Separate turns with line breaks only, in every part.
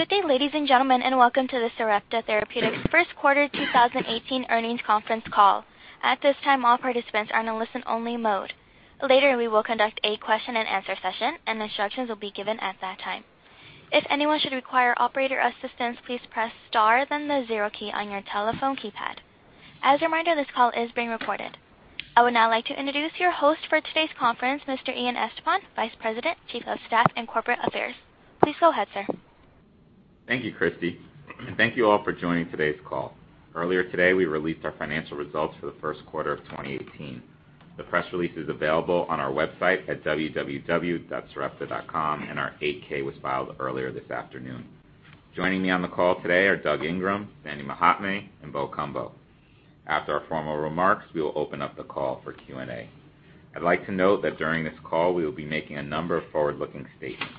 Good day, ladies and gentlemen, and welcome to the Sarepta Therapeutics first quarter 2018 earnings conference call. At this time, all participants are in a listen-only mode. Later, we will conduct a question and answer session, and instructions will be given at that time. If anyone should require operator assistance, please press star then the zero key on your telephone keypad. As a reminder, this call is being recorded. I would now like to introduce your host for today's conference, Mr. Ian Estepan, Vice President, Chief of Staff and Corporate Affairs. Please go ahead, sir.
Thank you, Christy, and thank you all for joining today's call. Earlier today, we released our financial results for the first quarter of 2018. The press release is available on our website at www.sarepta.com, and our 8-K was filed earlier this afternoon. Joining me on the call today are Doug Ingram, Sandy Mahatme, and Beau Cumbo. After our formal remarks, we will open up the call for Q&A. I'd like to note that during this call, we will be making a number of forward-looking statements.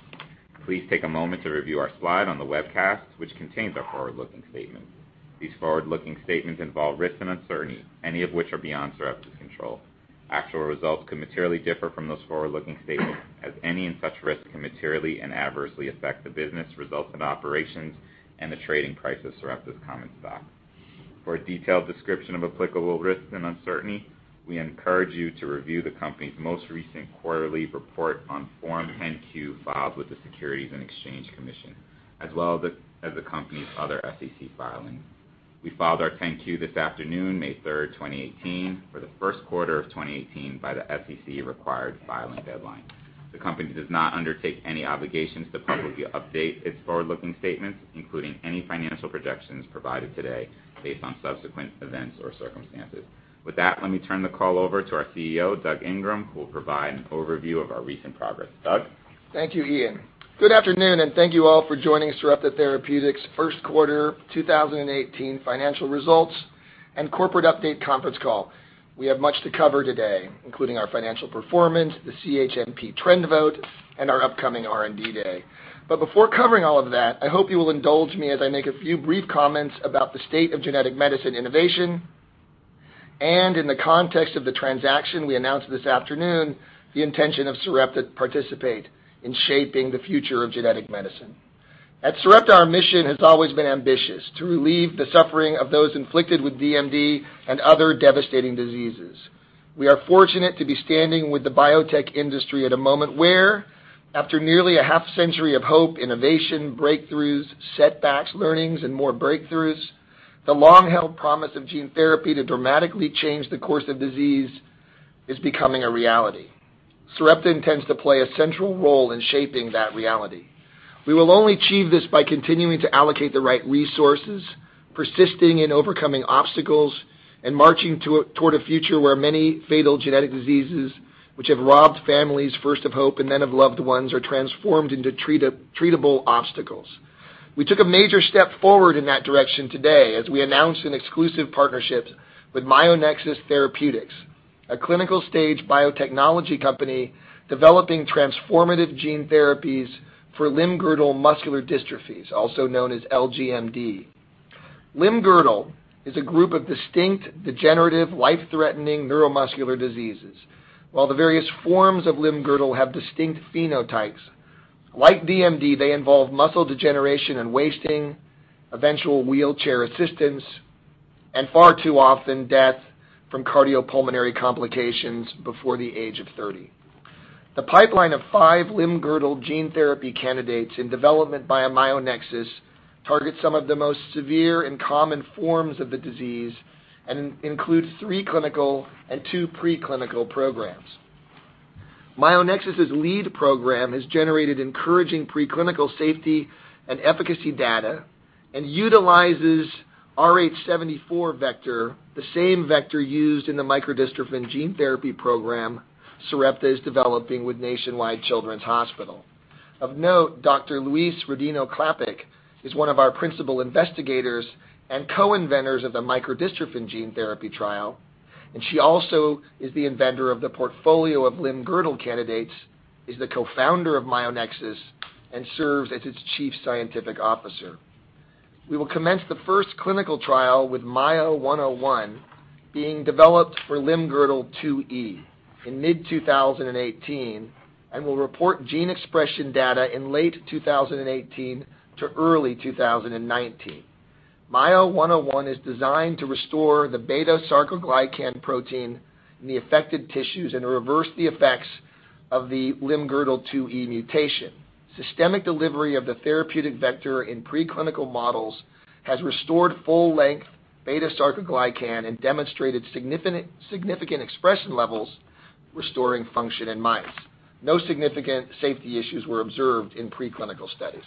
Please take a moment to review our slide on the webcast, which contains our forward-looking statement. These forward-looking statements involve risks and uncertainty, any of which are beyond Sarepta's control. Actual results could materially differ from those forward-looking statements, as any such risk can materially and adversely affect the business, results, and operations, and the trading price of Sarepta's common stock. For a detailed description of applicable risks and uncertainty, we encourage you to review the company's most recent quarterly report on Form 10-Q filed with the Securities and Exchange Commission, as well as the company's other SEC filings. We filed our 10-Q this afternoon, May 3rd, 2018, for the first quarter of 2018 by the SEC required filing deadline. The company does not undertake any obligations to publicly update its forward-looking statements, including any financial projections provided today based on subsequent events or circumstances. With that, let me turn the call over to our CEO, Doug Ingram, who will provide an overview of our recent progress. Doug?
Thank you, Ian. Good afternoon, and thank you all for joining Sarepta Therapeutics' first quarter 2018 financial results and corporate update conference call. We have much to cover today, including our financial performance, the CHMP trend vote, and our upcoming R&D Day. Before covering all of that, I hope you will indulge me as I make a few brief comments about the state of genetic medicine innovation and, in the context of the transaction we announced this afternoon, the intention of Sarepta to participate in shaping the future of genetic medicine. At Sarepta, our mission has always been ambitious: to relieve the suffering of those inflicted with DMD and other devastating diseases. We are fortunate to be standing with the biotech industry at a moment where, after nearly a half-century of hope, innovation, breakthroughs, setbacks, learnings, and more breakthroughs, the long-held promise of gene therapy to dramatically change the course of disease is becoming a reality. Sarepta intends to play a central role in shaping that reality. We will only achieve this by continuing to allocate the right resources, persisting in overcoming obstacles, and marching toward a future where many fatal genetic diseases, which have robbed families, first of hope and then of loved ones, are transformed into treatable obstacles. We took a major step forward in that direction today as we announced an exclusive partnership with Myonexus Therapeutics, a clinical stage biotechnology company developing transformative gene therapies for limb-girdle muscular dystrophies, also known as LGMD. Limb-girdle is a group of distinct, degenerative, life-threatening neuromuscular diseases. While the various forms of limb-girdle have distinct phenotypes, like DMD, they involve muscle degeneration and wasting, eventual wheelchair assistance, and far too often death from cardiopulmonary complications before the age of 30. The pipeline of 5 limb-girdle gene therapy candidates in development by Myonexus targets some of the most severe and common forms of the disease and includes 3 clinical and 2 pre-clinical programs. Myonexus's lead program has generated encouraging pre-clinical safety and efficacy data and utilizes Rh74 vector, the same vector used in the microdystrophin gene therapy program Sarepta is developing with Nationwide Children's Hospital. Of note, Dr. Louise Rodino-Klapac is one of our principal investigators and co-inventors of the microdystrophin gene therapy trial, and she also is the inventor of the portfolio of limb-girdle candidates, is the co-founder of Myonexus, and serves as its chief scientific officer. We will commence the first clinical trial with MYO-101 being developed for limb-girdle 2E in mid-2018 and will report gene expression data in late 2018 to early 2019. MYO-101 is designed to restore the beta-sarcoglycan protein in the affected tissues and reverse the effects of the limb-girdle 2E mutation. Systemic delivery of the therapeutic vector in pre-clinical models has restored full-length beta-sarcoglycan and demonstrated significant expression levels, restoring function in mice. No significant safety issues were observed in pre-clinical studies.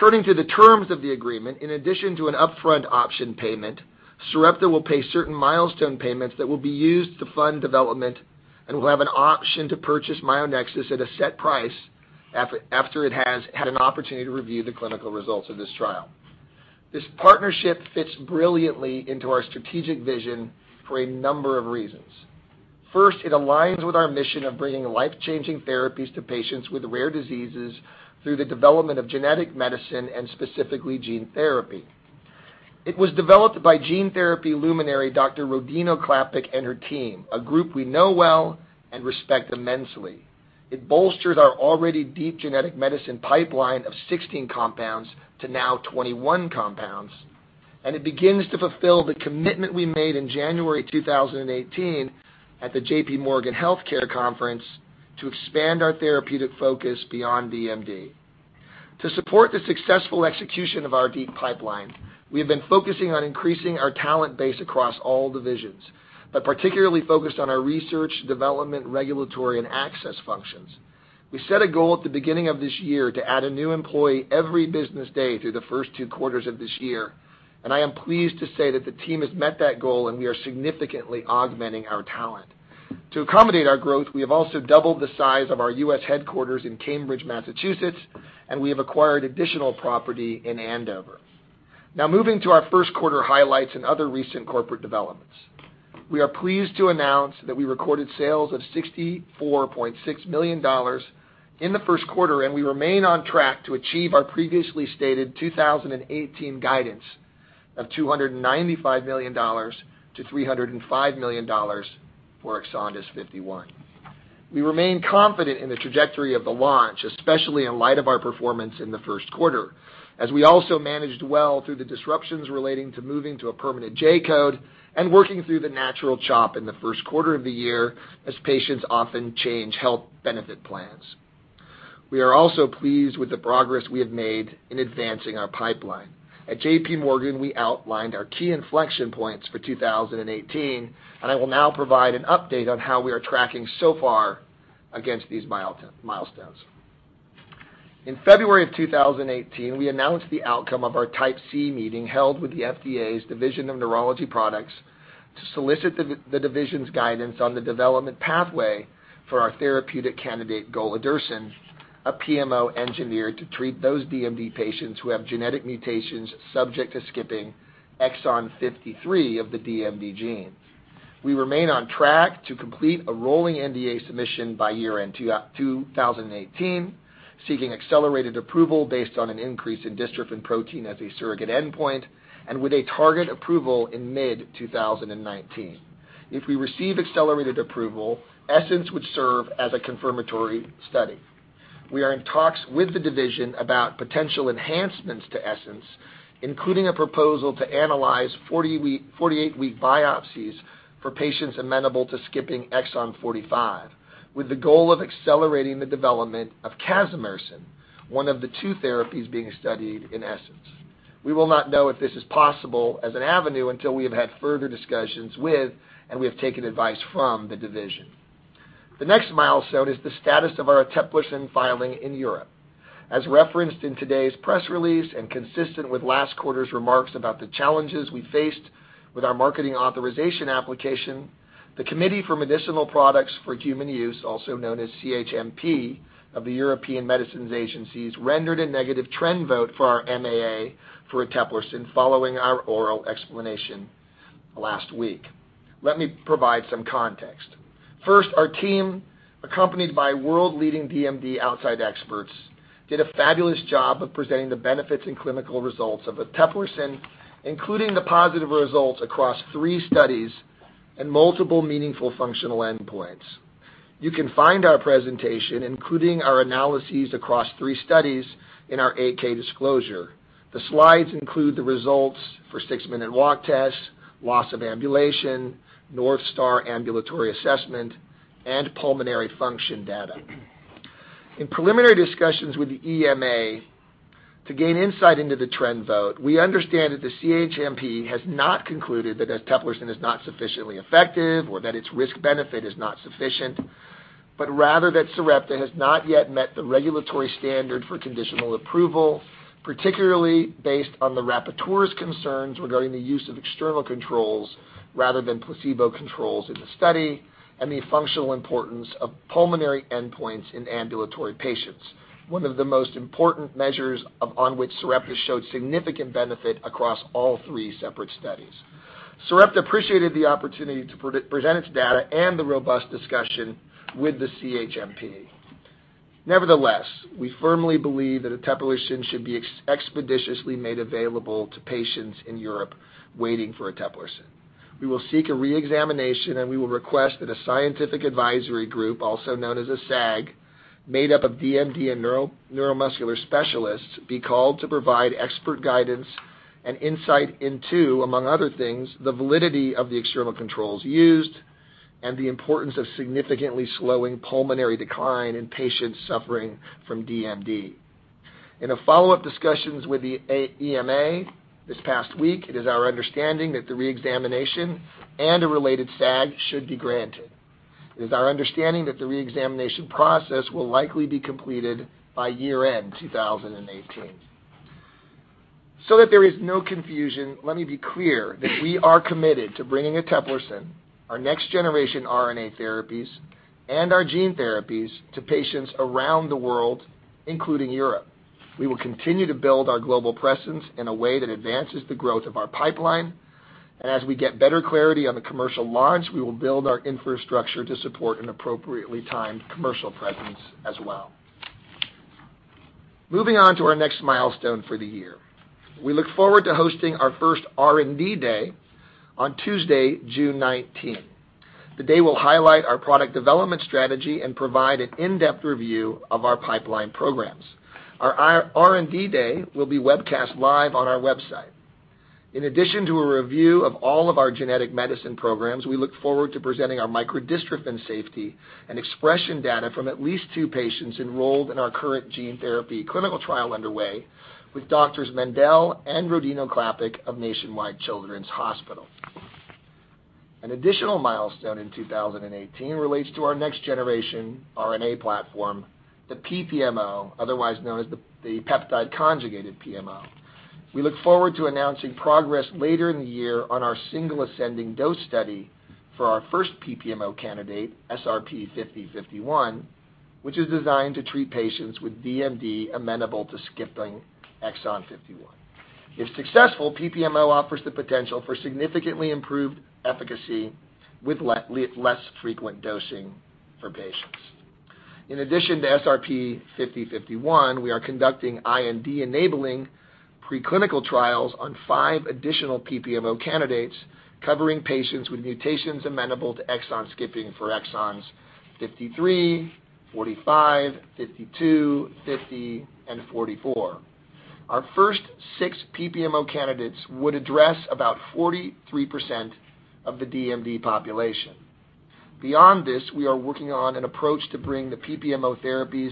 Turning to the terms of the agreement, in addition to an upfront option payment, Sarepta will pay certain milestone payments that will be used to fund development and will have an option to purchase MyoNexus at a set price after it has had an opportunity to review the clinical results of this trial. This partnership fits brilliantly into our strategic vision for a number of reasons. First, it aligns with our mission of bringing life-changing therapies to patients with rare diseases through the development of genetic medicine and specifically gene therapy. It was developed by gene therapy luminary, Dr. Rodino-Klapac and her team, a group we know well and respect immensely. It bolsters our already deep genetic medicine pipeline of 16 compounds to now 21 compounds, and it begins to fulfill the commitment we made in January 2018 at the J.P. Morgan Healthcare Conference to expand our therapeutic focus beyond DMD. To support the successful execution of our deep pipeline, we have been focusing on increasing our talent base across all divisions, but particularly focused on our research, development, regulatory, and access functions. We set a goal at the beginning of this year to add a new employee every business day through the first two quarters of this year. I am pleased to say that the team has met that goal, and we are significantly augmenting our talent. To accommodate our growth, we have also doubled the size of our U.S. headquarters in Cambridge, Massachusetts, and we have acquired additional property in Andover. Moving to our first quarter highlights and other recent corporate developments. We are pleased to announce that we recorded sales of $64.6 million in the first quarter, and we remain on track to achieve our previously stated 2018 guidance of $295 million-$305 million for EXONDYS 51. We remain confident in the trajectory of the launch, especially in light of our performance in the first quarter, as we also managed well through the disruptions relating to moving to a permanent J-code and working through the natural chop in the first quarter of the year, as patients often change health benefit plans. We are also pleased with the progress we have made in advancing our pipeline. At J.P. Morgan, we outlined our key inflection points for 2018. I will now provide an update on how we are tracking so far against these milestones. In February of 2018, we announced the outcome of our Type C meeting held with the FDA's Division of Neurology to solicit the division's guidance on the development pathway for our therapeutic candidate, golodirsen, a PMO engineered to treat those DMD patients who have genetic mutations subject to skipping exon 53 of the DMD gene. We remain on track to complete a rolling NDA submission by year-end 2018, seeking accelerated approval based on an increase in dystrophin protein as a surrogate endpoint, and with a target approval in mid-2019. If we receive accelerated approval, ESSENCE would serve as a confirmatory study. We are in talks with the division about potential enhancements to ESSENCE, including a proposal to analyze 48-week biopsies for patients amenable to skipping exon 45, with the goal of accelerating the development of casimersen, one of the two therapies being studied in ESSENCE. We will not know if this is possible as an avenue until we have had further discussions with and we have taken advice from the division. The next milestone is the status of our eteplirsen filing in Europe. As referenced in today's press release and consistent with last quarter's remarks about the challenges we faced with our marketing authorization application, the Committee for Medicinal Products for Human Use, also known as CHMP, of the European Medicines Agency, rendered a negative trend vote for our MAA for eteplirsen following our oral explanation last week. Let me provide some context. Our team, accompanied by world-leading DMD outside experts, did a fabulous job of presenting the benefits and clinical results of eteplirsen, including the positive results across three studies and multiple meaningful functional endpoints. You can find our presentation, including our analyses across three studies, in our 8-K disclosure. The slides include the results for six-minute walk tests, loss of ambulation, North Star Ambulatory Assessment, and pulmonary function data. In preliminary discussions with the EMA to gain insight into the trend vote, we understand that the CHMP has not concluded that eteplirsen is not sufficiently effective or that its risk-benefit is not sufficient, but rather that Sarepta has not yet met the regulatory standard for conditional approval, particularly based on the rapporteur's concerns regarding the use of external controls rather than placebo controls in the study and the functional importance of pulmonary endpoints in ambulatory patients, one of the most important measures on which Sarepta showed significant benefit across all three separate studies. Sarepta appreciated the opportunity to present its data and the robust discussion with the CHMP. Nevertheless, we firmly believe that eteplirsen should be expeditiously made available to patients in Europe waiting for eteplirsen. We will seek a re-examination, and we will request that a scientific advisory group, also known as a SAG, made up of DMD and neuromuscular specialists, be called to provide expert guidance and insight into, among other things, the validity of the external controls used and the importance of significantly slowing pulmonary decline in patients suffering from DMD. In follow-up discussions with the EMA this past week, it is our understanding that the re-examination and a related SAG should be granted. It is our understanding that the re-examination process will likely be completed by year-end 2018. So that there is no confusion, let me be clear that we are committed to bringing eteplirsen, our next-generation RNA therapies, and our gene therapies to patients around the world, including Europe. We will continue to build our global presence in a way that advances the growth of our pipeline, and as we get better clarity on the commercial launch, we will build our infrastructure to support an appropriately timed commercial presence as well. Moving on to our next milestone for the year. We look forward to hosting our first R&D day on Tuesday, June 19th. The day will highlight our product development strategy and provide an in-depth review of our pipeline programs. Our R&D day will be webcast live on our website. In addition to a review of all of our genetic medicine programs, we look forward to presenting our microdystrophin safety and expression data from at least two patients enrolled in our current gene therapy clinical trial underway with Doctors Mendell and Rodino-Klapac of Nationwide Children's Hospital. An additional milestone in 2018 relates to our next generation RNA platform, the PPMO, otherwise known as the peptide conjugated PMO. We look forward to announcing progress later in the year on our single ascending dose study for our first PPMO candidate, SRP-5051, which is designed to treat patients with DMD amenable to skipping exon 51. If successful, PPMO offers the potential for significantly improved efficacy with less frequent dosing for patients. In addition to SRP-005051, we are conducting IND-enabling preclinical trials on five additional PPMO candidates, covering patients with mutations amenable to exon skipping for exons 53, 45, 52, 50, and 44. Our first six PPMO candidates would address about 43% of the DMD population. Beyond this, we are working on an approach to bring the PPMO therapies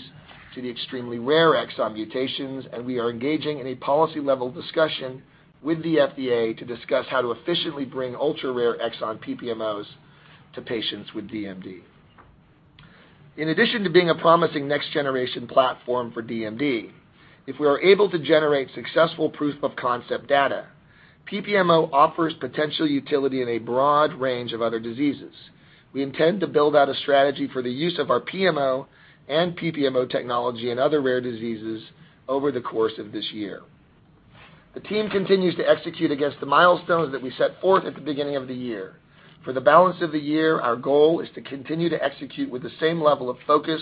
to the extremely rare exon mutations. We are engaging in a policy-level discussion with the FDA to discuss how to efficiently bring ultra-rare exon PPMOs to patients with DMD. In addition to being a promising next generation platform for DMD, if we are able to generate successful proof of concept data, PPMO offers potential utility in a broad range of other diseases. We intend to build out a strategy for the use of our PMO and PPMO technology in other rare diseases over the course of this year. The team continues to execute against the milestones that we set forth at the beginning of the year. For the balance of the year, our goal is to continue to execute with the same level of focus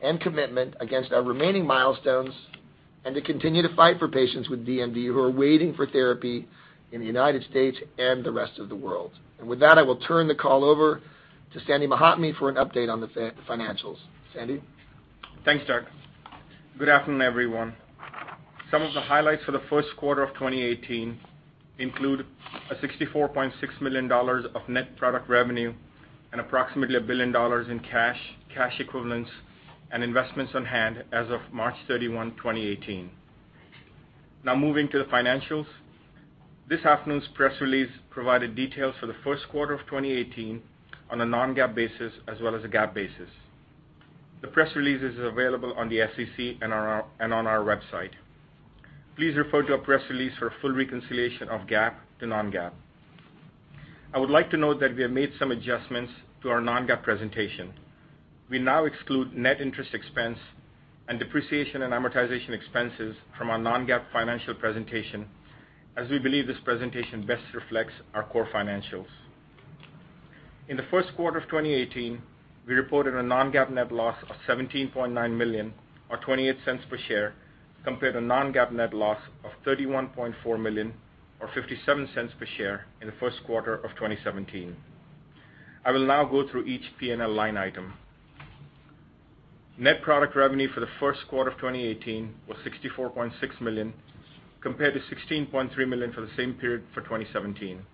and commitment against our remaining milestones and to continue to fight for patients with DMD who are waiting for therapy in the U.S. and the rest of the world. With that, I will turn the call over to Sandy Mahatme for an update on the financials. Sandy?
Thanks, Doug. Good afternoon, everyone. Some of the highlights for the first quarter of 2018 include $64.6 million of net product revenue and approximately $1 billion in cash equivalents, and investments on hand as of March 31, 2018. Moving to the financials. This afternoon's press release provided details for the first quarter of 2018 on a non-GAAP basis as well as a GAAP basis. The press release is available on the SEC and on our website. Please refer to our press release for a full reconciliation of GAAP to non-GAAP. I would like to note that we have made some adjustments to our non-GAAP presentation. We now exclude net interest expense and depreciation and amortization expenses from our non-GAAP financial presentation, as we believe this presentation best reflects our core financials. In the first quarter of 2018, we reported a non-GAAP net loss of $17.9 million or $0.28 per share, compared to non-GAAP net loss of $31.4 million or $0.57 per share in the first quarter of 2017. I will now go through each P&L line item. Net product revenue for the first quarter of 2018 was $64.6 million, compared to $16.3 million for the same period for 2017.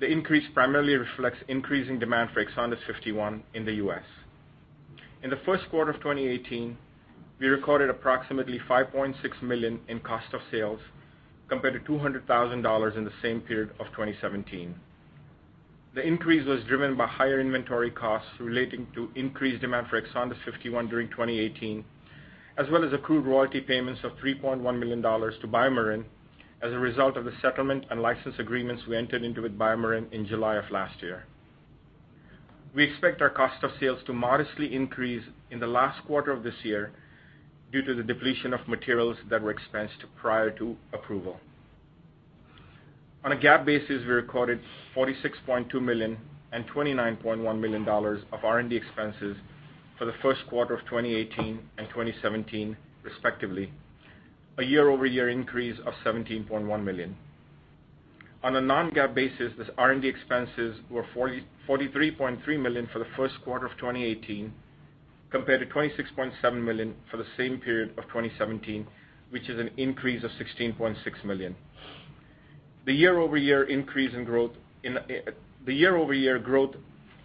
The increase primarily reflects increasing demand for EXONDYS 51 in the U.S. In the first quarter of 2018, we recorded approximately $5.6 million in cost of sales, compared to $200,000 in the same period of 2017. The increase was driven by higher inventory costs relating to increased demand for EXONDYS 51 during 2018, as well as accrued royalty payments of $3.1 million to BioMarin as a result of the settlement and license agreements we entered into with BioMarin in July of last year. We expect our cost of sales to modestly increase in the last quarter of this year due to the depletion of materials that were expensed prior to approval. On a GAAP basis, we recorded $46.2 million and $29.1 million of R&D expenses for the first quarter of 2018 and 2017, respectively, a year-over-year increase of $17.1 million. On a non-GAAP basis, these R&D expenses were $43.3 million for the first quarter of 2018, compared to $26.7 million for the same period of 2017, which is an increase of $16.6 million. The year-over-year growth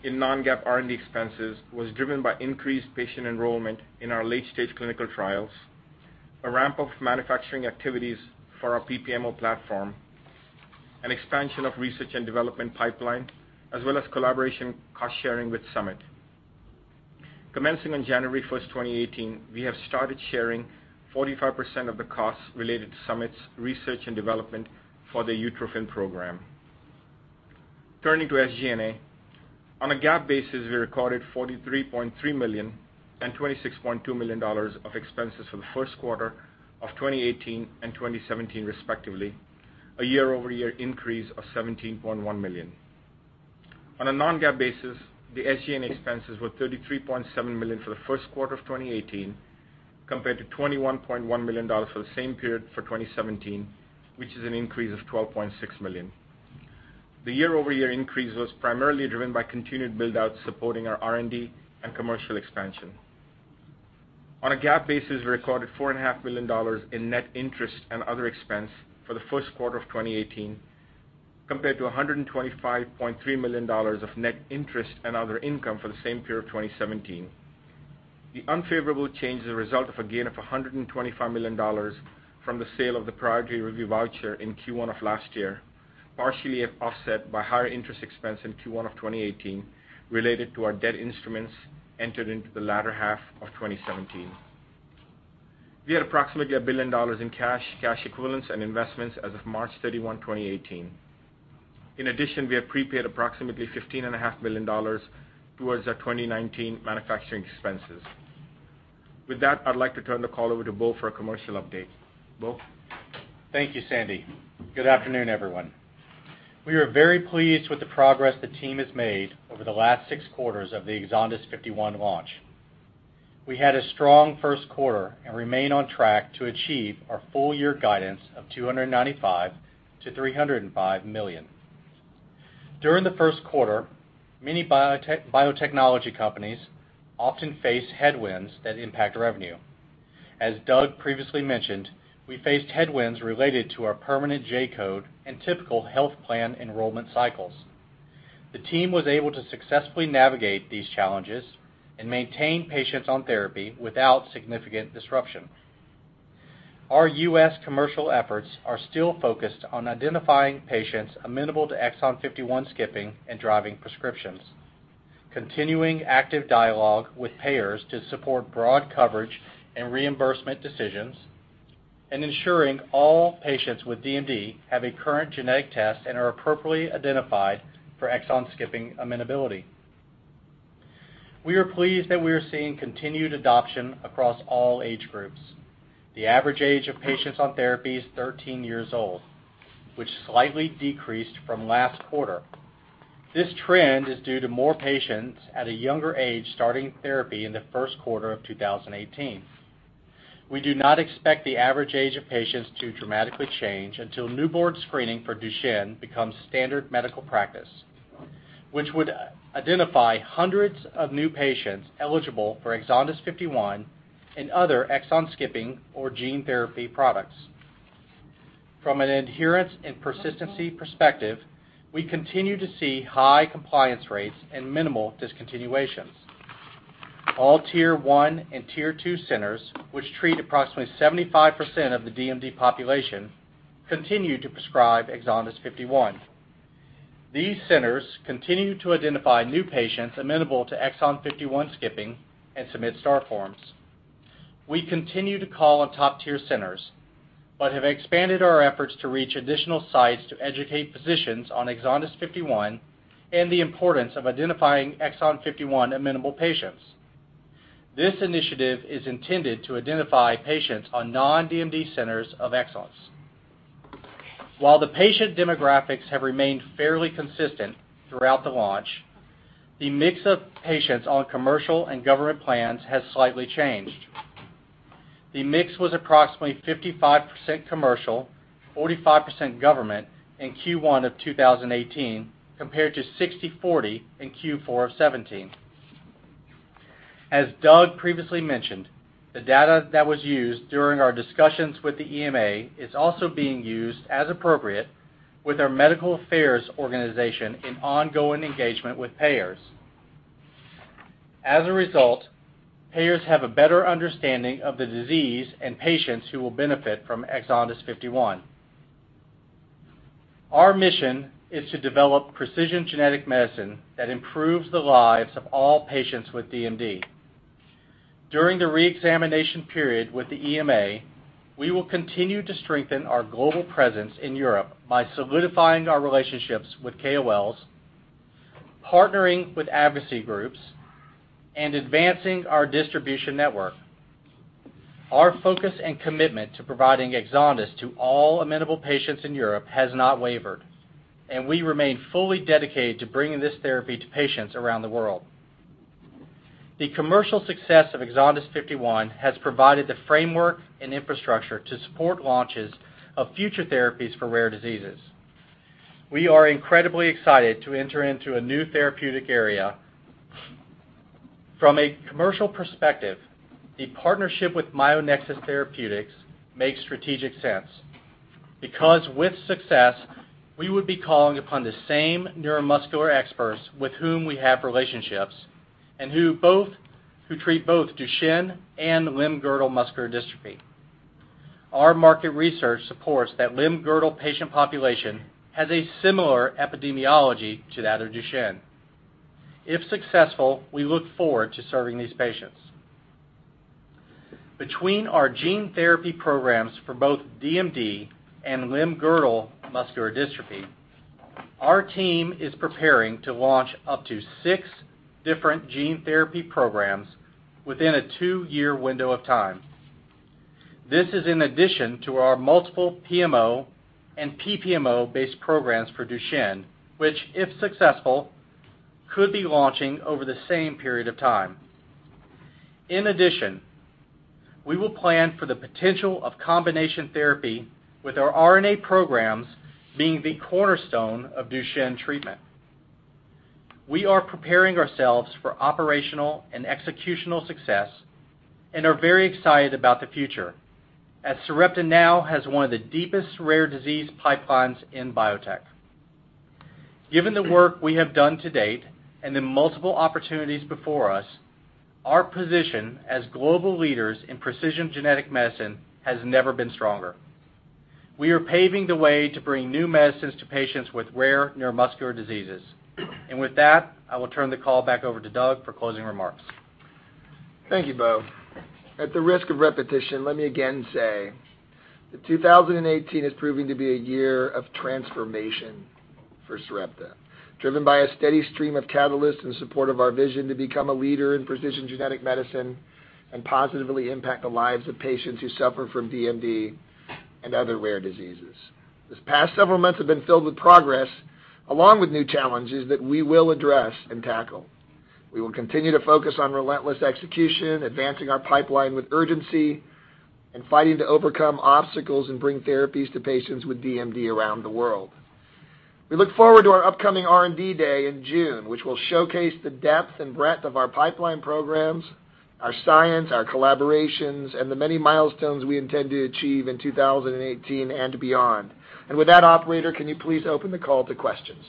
in non-GAAP R&D expenses was driven by increased patient enrollment in our late-stage clinical trials, a ramp of manufacturing activities for our PPMO platform, an expansion of research and development pipeline, as well as collaboration cost-sharing with Summit. Commencing on January 1, 2018, we have started sharing 45% of the costs related to Summit's research and development for the Utrophin program. Turning to SG&A. On a GAAP basis, we recorded $43.3 million and $26.2 million of expenses for the first quarter of 2018 and 2017, respectively, a year-over-year increase of $17.1 million. On a non-GAAP basis, the SG&A expenses were $33.7 million for the first quarter of 2018, compared to $21.1 million for the same period for 2017, which is an increase of $12.6 million. The year-over-year increase was primarily driven by continued build-outs supporting our R&D and commercial expansion. On a GAAP basis, we recorded $4.5 million in net interest and other expense for the first quarter of 2018, compared to $125.3 million of net interest and other income for the same period of 2017. The unfavorable change is a result of a gain of $125 million from the sale of the priority review voucher in Q1 of last year, partially offset by higher interest expense in Q1 of 2018 related to our debt instruments entered into the latter half of 2017. We had approximately $1 billion in cash equivalents, and investments as of March 31, 2018. In addition, we have prepaid approximately $15.5 million towards our 2019 manufacturing expenses. With that, I'd like to turn the call over to Beau for a commercial update. Beau?
Thank you, Sandy. Good afternoon, everyone. We are very pleased with the progress the team has made over the last six quarters of the EXONDYS 51 launch. We had a strong first quarter and remain on track to achieve our full year guidance of $295 million to $305 million. During the first quarter, many biotechnology companies often face headwinds that impact revenue. As Doug previously mentioned, we faced headwinds related to our permanent J-code and typical health plan enrollment cycles. The team was able to successfully navigate these challenges and maintain patients on therapy without significant disruption. Our U.S. commercial efforts are still focused on identifying patients amenable to exon 51 skipping and driving prescriptions, continuing active dialogue with payers to support broad coverage and reimbursement decisions, and ensuring all patients with DMD have a current genetic test and are appropriately identified for exon skipping amenability. We are pleased that we are seeing continued adoption across all age groups. The average age of patients on therapy is 13 years old, which slightly decreased from last quarter. This trend is due to more patients at a younger age starting therapy in the first quarter of 2018. We do not expect the average age of patients to dramatically change until newborn screening for Duchenne becomes standard medical practice, which would identify hundreds of new patients eligible for EXONDYS 51 and other exon skipping or gene therapy products. From an adherence and persistency perspective, we continue to see high compliance rates and minimal discontinuations. All Tier 1 and Tier 2 centers, which treat approximately 75% of the DMD population, continue to prescribe EXONDYS 51. These centers continue to identify new patients amenable to exon 51 skipping and submit STAR forms. We continue to call on top-tier centers, have expanded our efforts to reach additional sites to educate physicians on EXONDYS 51 and the importance of identifying exon 51-amenable patients. This initiative is intended to identify patients on non-DMD centers of excellence. While the patient demographics have remained fairly consistent throughout the launch, the mix of patients on commercial and government plans has slightly changed. The mix was approximately 55% commercial, 45% government in Q1 of 2018, compared to 60/40 in Q4 of 2017. As Doug previously mentioned, the data that was used during our discussions with the EMA is also being used as appropriate with our medical affairs organization in ongoing engagement with payers. As a result, payers have a better understanding of the disease and patients who will benefit from EXONDYS 51. Our mission is to develop precision genetic medicine that improves the lives of all patients with DMD. During the reexamination period with the EMA, we will continue to strengthen our global presence in Europe by solidifying our relationships with KOLs, partnering with advocacy groups, and advancing our distribution network. Our focus and commitment to providing EXONDYS 51 to all amenable patients in Europe has not wavered, and we remain fully dedicated to bringing this therapy to patients around the world. The commercial success of EXONDYS 51 has provided the framework and infrastructure to support launches of future therapies for rare diseases. We are incredibly excited to enter into a new therapeutic area. From a commercial perspective, the partnership with MyoNexus Therapeutics makes strategic sense because with success, we would be calling upon the same neuromuscular experts with whom we have relationships and who treat both Duchenne and limb-girdle muscular dystrophy. Our market research supports that limb-girdle patient population has a similar epidemiology to that of Duchenne. If successful, we look forward to serving these patients. Between our gene therapy programs for both DMD and limb-girdle muscular dystrophy, our team is preparing to launch up to six different gene therapy programs within a two-year window of time. This is in addition to our multiple PMO and PPMO-based programs for Duchenne, which, if successful, could be launching over the same period of time. In addition, we will plan for the potential of combination therapy with our RNA programs being the cornerstone of Duchenne treatment. We are preparing ourselves for operational and executional success and are very excited about the future as Sarepta now has one of the deepest rare disease pipelines in biotech. Given the work we have done to date and the multiple opportunities before us, our position as global leaders in precision genetic medicine has never been stronger. We are paving the way to bring new medicines to patients with rare neuromuscular diseases. With that, I will turn the call back over to Doug for closing remarks.
Thank you, Beau. At the risk of repetition, let me again say that 2018 is proving to be a year of transformation for Sarepta, driven by a steady stream of catalysts in support of our vision to become a leader in precision genetic medicine and positively impact the lives of patients who suffer from DMD and other rare diseases. These past several months have been filled with progress, along with new challenges that we will address and tackle. We will continue to focus on relentless execution, advancing our pipeline with urgency, and fighting to overcome obstacles and bring therapies to patients with DMD around the world. We look forward to our upcoming R&D day in June, which will showcase the depth and breadth of our pipeline programs, our science, our collaborations, and the many milestones we intend to achieve in 2018 and beyond. With that, operator, can you please open the call to questions?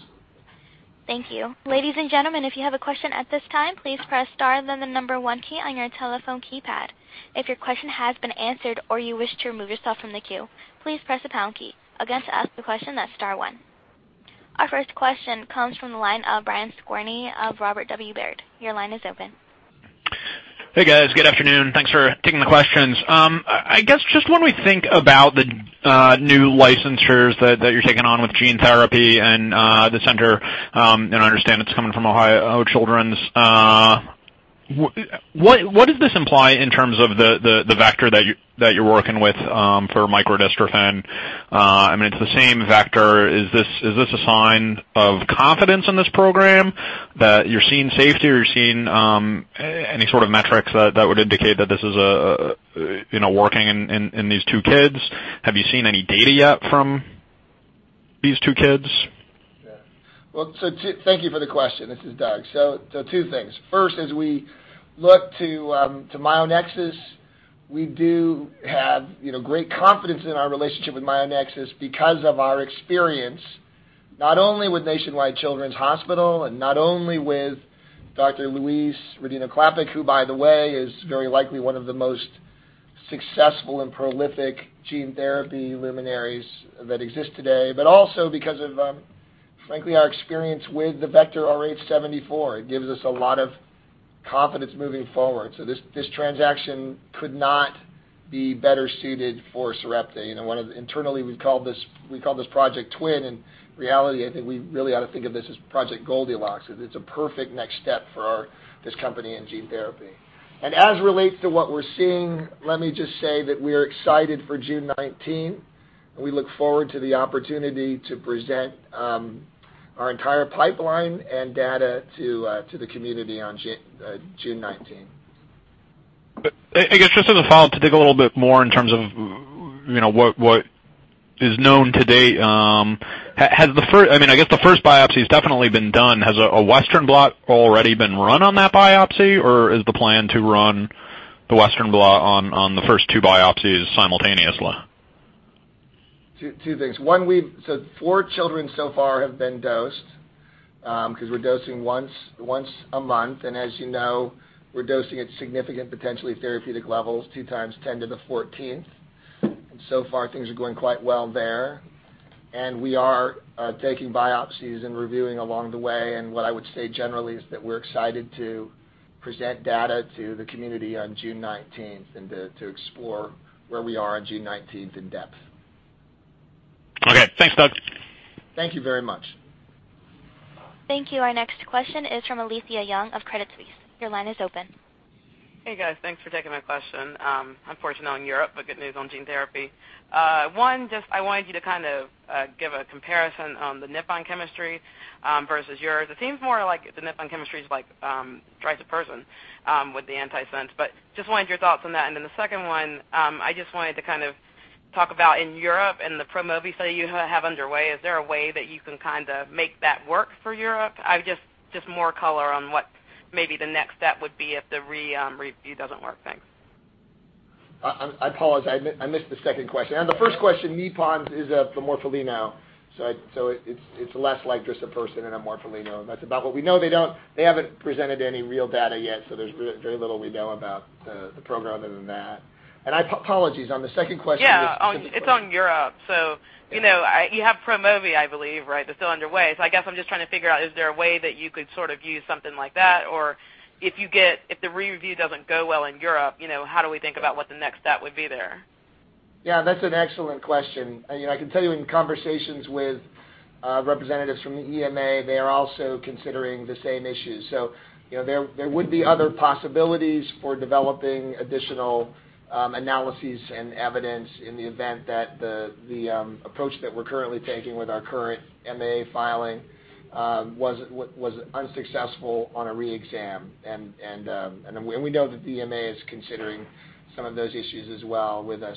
Thank you. Ladies and gentlemen, if you have a question at this time, please press star then the number one key on your telephone keypad. If your question has been answered or you wish to remove yourself from the queue, please press the pound key. Again, to ask a question, that's star one. Our first question comes from the line of Brian Skorney of Robert W. Baird. Your line is open.
Hey, guys. Good afternoon. Thanks for taking the questions. I guess just when we think about the new licensures that you're taking on with gene therapy and the center, and I understand it's coming from Nationwide Children's Hospital. What does this imply in terms of the vector that you're working with for microdystrophin? I mean, it's the same vector. Is this a sign of confidence in this program, that you're seeing safety, or you're seeing any sort of metrics that would indicate that this is working in these two kids? Have you seen any data yet from these two kids?
Well, thank you for the question. This is Doug. Two things. First, as we look to MyoNexus, we do have great confidence in our relationship with MyoNexus because of our experience, not only with Nationwide Children's Hospital and not only with Dr. Louise Rodino-Klapac, who by the way, is very likely one of the most successful and prolific gene therapy luminaries that exist today, but also because of, frankly, our experience with the vector RH74. It gives us a lot of confidence moving forward. This transaction could not be better suited for Sarepta. Internally, we've called this Project Twin, and in reality, I think we really ought to think of this as Project Goldilocks. It's a perfect next step for this company in gene therapy. As it relates to what we're seeing, let me just say that we are excited for June 19, and we look forward to the opportunity to present our entire pipeline and data to the community on June 19th.
I guess just as a follow-up, to dig a little bit more in terms of what is known to date. I guess the first biopsy has definitely been done. Has a Western blot already been run on that biopsy, or is the plan to run the Western blot on the first two biopsies simultaneously?
Two things. One, four children so far have been dosed, because we're dosing once a month. As you know, we're dosing at significant, potentially therapeutic levels, 2 times 10 to the 14th. So far, things are going quite well there. We are taking biopsies and reviewing along the way. What I would say generally is that we're excited to present data to the community on June 19th and to explore where we are on June 19th in depth.
Okay. Thanks, Doug.
Thank you very much.
Thank you. Our next question is from Alethia Young of Credit Suisse. Your line is open.
Hey, guys. Thanks for taking my question. Unfortunately on Europe, but good news on gene therapy. I wanted you to kind of give a comparison on the Nippon chemistry versus yours. It seems more like the Nippon chemistry is like drisapersen with the antisense. Just wanted your thoughts on that. The second one, I just wanted to talk about in Europe and the PROMOVI study you have underway, is there a way that you can make that work for Europe? Just more color on what maybe the next step would be if the re-review doesn't work. Thanks.
I apologize. I missed the second question. On the first question, Nippon's is a morpholino, so it's less like drisapersen and a morpholino. That's about what we know. They haven't presented any real data yet, so there's very little we know about the program other than that. Apologies on the second question.
It's on Europe. You have PROMOVI, I believe. That's still underway. I guess I'm just trying to figure out, is there a way that you could sort of use something like that? If the re-review doesn't go well in Europe, how do we think about what the next step would be there?
That's an excellent question. I can tell you in conversations with representatives from the EMA, they are also considering the same issues. There would be other possibilities for developing additional analyses and evidence in the event that the approach that we're currently taking with our current MAA filing was unsuccessful on a re-exam. We know that the EMA is considering some of those issues as well with us.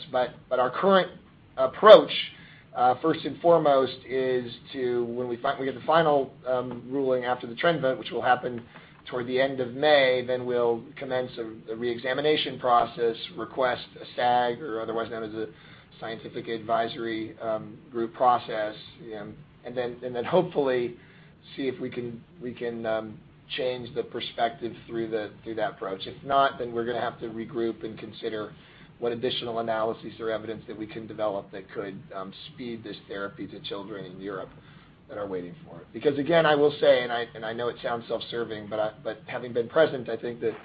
Our current approach, first and foremost, is to, when we get the final ruling after the trend vote, which will happen toward the end of May, we'll commence a re-examination process, request a SAG, or otherwise known as a Scientific Advisory Group process. Hopefully, see if we can change the perspective through that approach. If not, we're going to have to regroup and consider what additional analyses or evidence that we can develop that could speed this therapy to children in Europe that are waiting for it. Because again, I will say, and I know it sounds self-serving, but having been present, I think that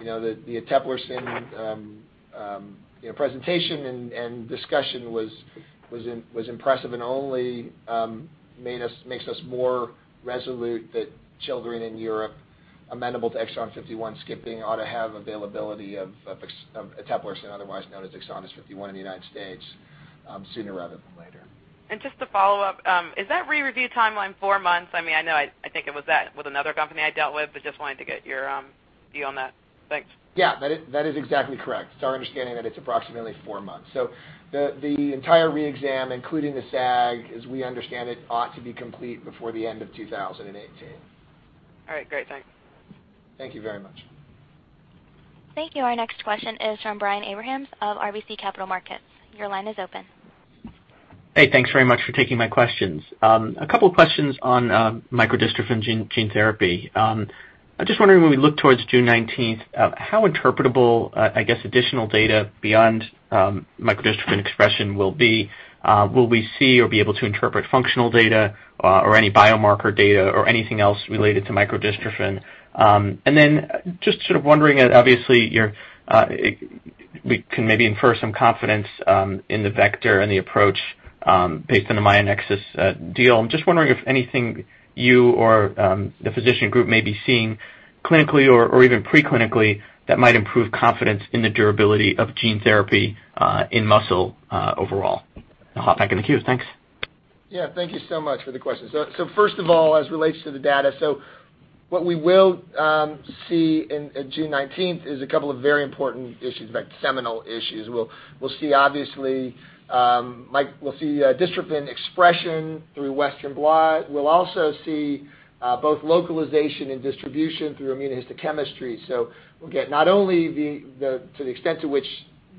the eteplirsen presentation and discussion was impressive and only makes us more resolute that children in Europe amenable to exon 51 skipping ought to have availability of eteplirsen, otherwise known as EXONDYS 51 in the U.S., sooner rather than later.
Just to follow up, is that re-review timeline four months? I know, I think it was that with another company I dealt with, but just wanted to get your view on that. Thanks.
Yeah, that is exactly correct. It's our understanding that it's approximately four months. The entire re-exam, including the SAG, as we understand it, ought to be complete before the end of 2018.
All right, great. Thanks.
Thank you very much.
Thank you. Our next question is from Brian Abrahams of RBC Capital Markets. Your line is open.
Hey, thanks very much for taking my questions. A couple questions on microdystrophin gene therapy. I'm just wondering, when we look towards June 19th, how interpretable, I guess, additional data beyond microdystrophin expression will be. Will we see or be able to interpret functional data or any biomarker data or anything else related to microdystrophin? Just sort of wondering, obviously, we can maybe infer some confidence in the vector and the approach based on the MyoNexus deal. I'm just wondering if anything you or the physician group may be seeing clinically or even pre-clinically that might improve confidence in the durability of gene therapy in muscle overall. I'll hop back in the queue. Thanks.
Yeah. Thank you so much for the question. First of all, as it relates to the data, so what we will see in June 19th is a couple of very important issues, in fact, seminal issues. We'll see dystrophin expression through Western blot. We'll also see both localization and distribution through immunohistochemistry. We'll get not only to the extent to which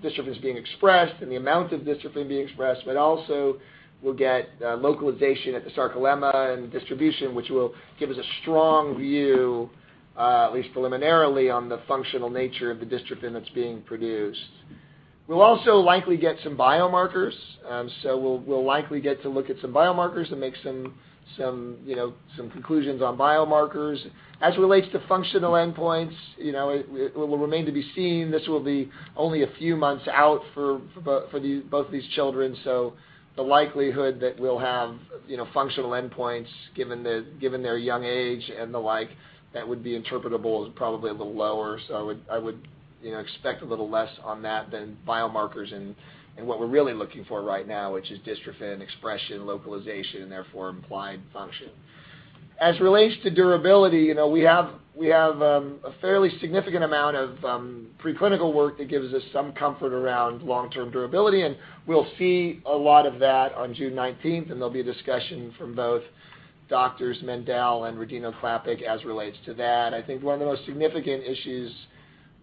dystrophin is being expressed and the amount of dystrophin being expressed, but also we'll get localization at the sarcolemma and distribution, which will give us a strong view, at least preliminarily, on the functional nature of the dystrophin that's being produced. We'll also likely get some biomarkers. We'll likely get to look at some biomarkers and make some conclusions on biomarkers. As it relates to functional endpoints, it will remain to be seen. This will be only a few months out for both these children. The likelihood that we'll have functional endpoints given their young age and the like that would be interpretable is probably a little lower. I would expect a little less on that than biomarkers and what we're really looking for right now, which is dystrophin expression, localization, and therefore implied function. As it relates to durability, we have a fairly significant amount of pre-clinical work that gives us some comfort around long-term durability, and we'll see a lot of that on June 19th, and there'll be discussion from both Doctors Mendell and Rodino-Klapac as it relates to that. I think one of the most significant issues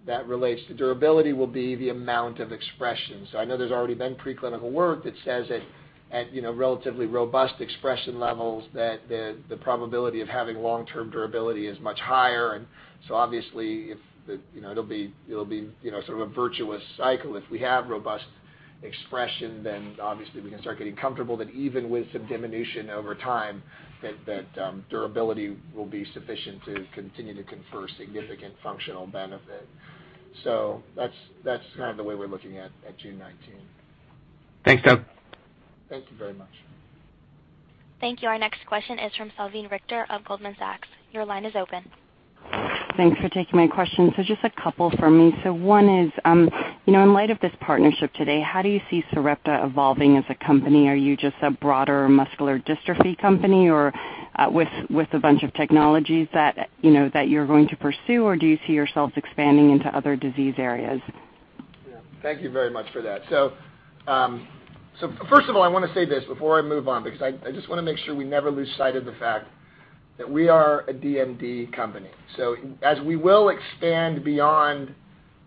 that relates to durability will be the amount of expression. I know there's already been pre-clinical work that says that at relatively robust expression levels, that the probability of having long-term durability is much higher. Obviously, it'll be sort of a virtuous cycle. If we have robust expression, then obviously we can start getting comfortable that even with some diminution over time, that durability will be sufficient to continue to confer significant functional benefit. That's kind of the way we're looking at June 19th.
Thanks, Doug.
Thank you very much.
Thank you. Our next question is from Salveen Richter of Goldman Sachs. Your line is open.
Thanks for taking my question. Just a couple from me. One is, in light of this partnership today, how do you see Sarepta evolving as a company? Are you just a broader muscular dystrophy company or with a bunch of technologies that you're going to pursue, or do you see yourselves expanding into other disease areas?
Thank you very much for that. First of all, I want to say this before I move on, because I just want to make sure we never lose sight of the fact that we are a DMD company. As we will expand beyond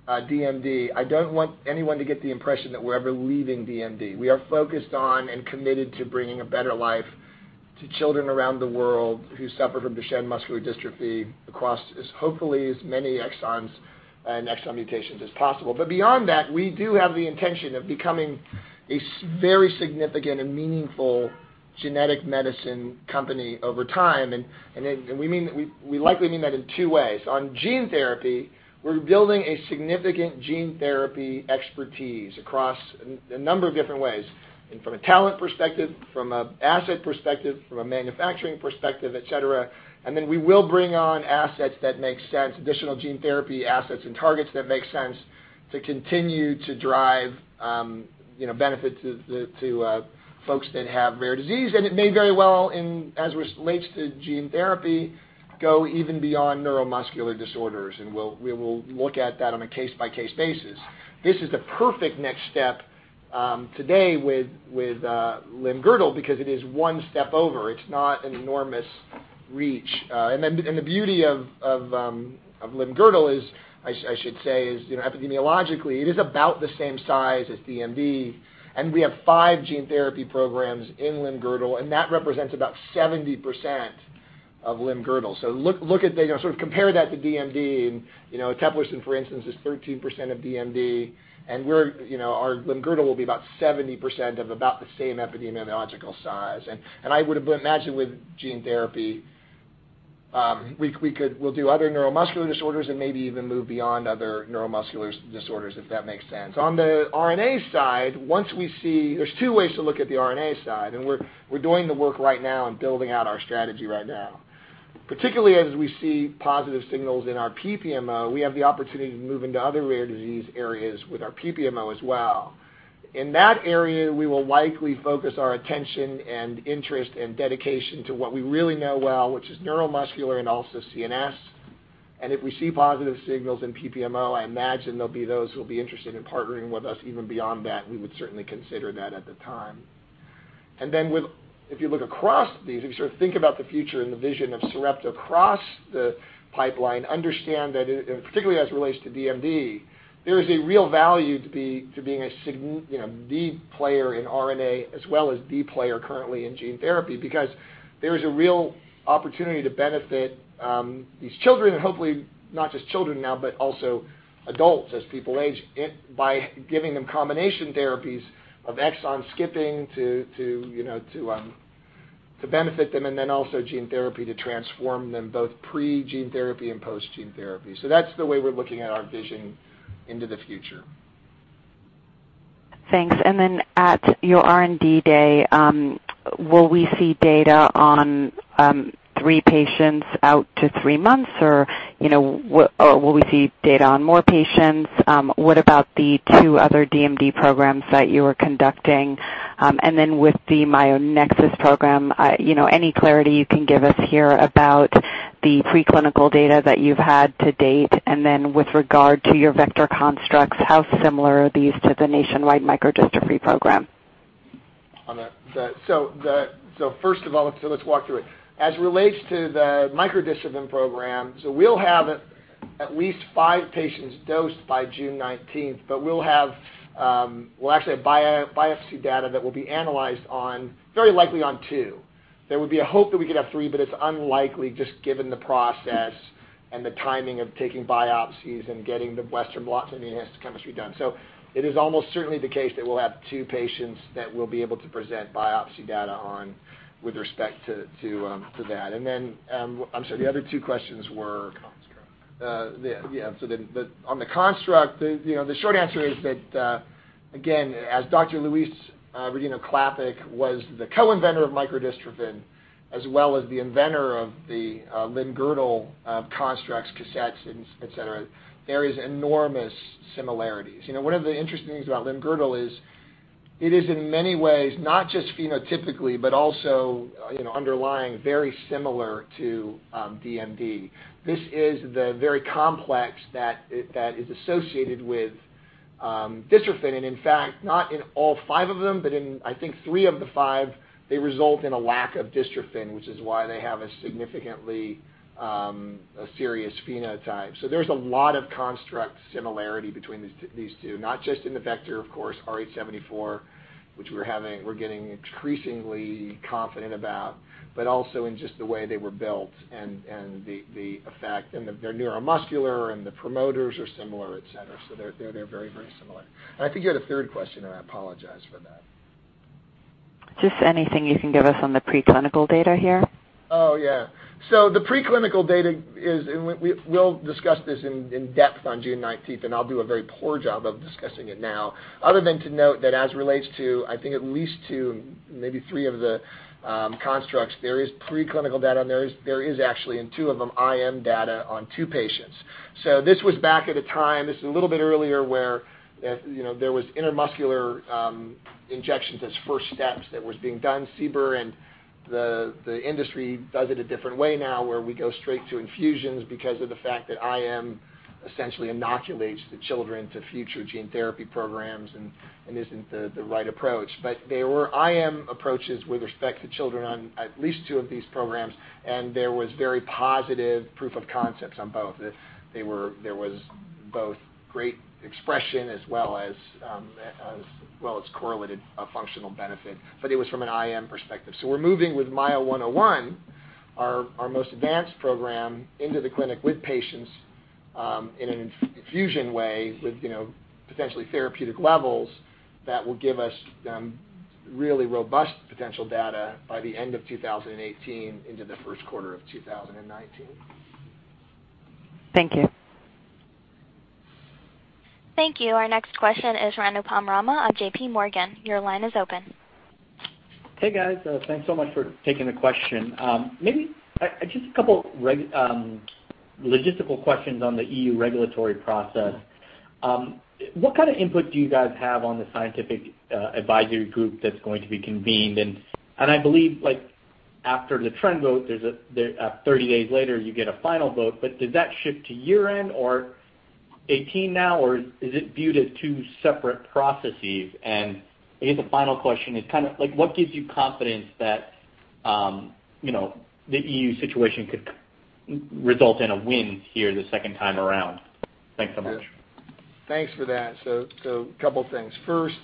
DMD. I don't want anyone to get the impression that we're ever leaving DMD. We are focused on and committed to bringing a better life to children around the world who suffer from Duchenne muscular dystrophy across, hopefully, as many exons and exon mutations as possible. Beyond that, we do have the intention of becoming a very significant and meaningful genetic medicine company over time. We likely mean that in two ways. On gene therapy, we're building a significant gene therapy expertise across a number of different ways. From a talent perspective, from an asset perspective, from a manufacturing perspective, et cetera. Then we will bring on assets that make sense, additional gene therapy assets and targets that make sense to continue to drive benefit to folks that have rare disease. It may very well, as relates to gene therapy, go even beyond neuromuscular disorders. We will look at that on a case-by-case basis. This is the perfect next step today with limb-girdle, because it is one step over. It's not an enormous reach. The beauty of limb-girdle is, I should say, is epidemiologically, it is about the same size as DMD, and we have five gene therapy programs in limb-girdle, and that represents about 70% of limb-girdle. Sort of compare that to DMD, and eteplirsen, for instance, is 13% of DMD. Our limb-girdle will be about 70% of about the same epidemiological size. I would imagine with gene therapy, we'll do other neuromuscular disorders and maybe even move beyond other neuromuscular disorders, if that makes sense. On the RNA side, there's two ways to look at the RNA side, and we're doing the work right now and building out our strategy right now. Particularly as we see positive signals in our PMO, we have the opportunity to move into other rare disease areas with our PPMO as well. In that area, we will likely focus our attention and interest and dedication to what we really know well, which is neuromuscular and also CNS. If we see positive signals in PPMO, I imagine there'll be those who will be interested in partnering with us even beyond that. We would certainly consider that at the time. If you look across these, if you sort of think about the future and the vision of Sarepta across the pipeline, understand that, particularly as it relates to DMD, there is a real value to being the player in RNA as well as the player currently in gene therapy, because there is a real opportunity to benefit these children. Hopefully not just children now, but also adults as people age, by giving them combination therapies of exon skipping to benefit them, and then also gene therapy to transform them, both pre-gene therapy and post-gene therapy. That's the way we're looking at our vision into the future.
Thanks. At your R&D day, will we see data on three patients out to three months, or will we see data on more patients? What about the two other DMD programs that you are conducting? With the MyoNexus program, any clarity you can give us here about the pre-clinical data that you've had to date, and then with regard to your vector constructs, how similar are these to the Nationwide Microdystrophin Program?
First of all, let's walk through it. As it relates to the microdystrophin program, we'll have at least five patients dosed by June 19th, but we'll actually have biopsy data that will be analyzed very likely on two. There would be a hope that we could have three, but it's unlikely, just given the process and the timing of taking biopsies and getting the Western blot and the biochemistry done. It is almost certainly the case that we'll have two patients that we'll be able to present biopsy data on with respect to that. I'm sorry, the other two questions were-
Construct.
Yeah. On the construct, the short answer is that again, as Dr. Louise Rodino-Klapac was the co-inventor of microdystrophin as well as the inventor of the limb-girdle constructs, cassettes, et cetera. There is enormous similarities. One of the interesting things about limb-girdle is it is in many ways, not just phenotypically, but also underlying, very similar to DMD. This is the very complex that is associated with dystrophin, and in fact, not in all five of them, but in, I think three of the five, they result in a lack of dystrophin, which is why they have a significantly serious phenotype. There's a lot of construct similarity between these two, not just in the vector, of course, rAAVrh74, which we're getting increasingly confident about, but also in just the way they were built and the effect. They're neuromuscular, and the promoters are similar, et cetera. They're very, very similar. I think you had a third question, and I apologize for that.
Just anything you can give us on the preclinical data here.
The preclinical data is, we'll discuss this in depth on June 19th, I'll do a very poor job of discussing it now, other than to note that as it relates to, I think, at least two, maybe three of the constructs, there is preclinical data, and there is actually in two of them, IM data on two patients. This was back at a time, this is a little bit earlier, where there was intramuscular injections as first steps that was being done, CBER and the industry does it a different way now where we go straight to infusions because of the fact that IM essentially inoculates the children to future gene therapy programs and isn't the right approach. There were IM approaches with respect to children on at least two of these programs, and there was very positive proof of concept on both. There was both great expression as well as correlated functional benefit, but it was from an IM perspective. We're moving with MYO-101, our most advanced program, into the clinic with patients, in an infusion way with potentially therapeutic levels that will give us really robust potential data by the end of 2018 into the first quarter of 2019.
Thank you.
Thank you. Our next question is Anupam Rama of J.P. Morgan. Your line is open.
Hey, guys. Thanks so much for taking the question. Maybe just a couple logistical questions on the EU regulatory process. What kind of input do you guys have on the scientific advisory group that's going to be convened? I believe after the trend vote, 30 days later you get a final vote, but does that shift to year-end or 2018 now or is it viewed as two separate processes? I guess a final question is what gives you confidence that the EU situation could result in a win here the second time around? Thanks so much.
Thanks for that. A couple things. First,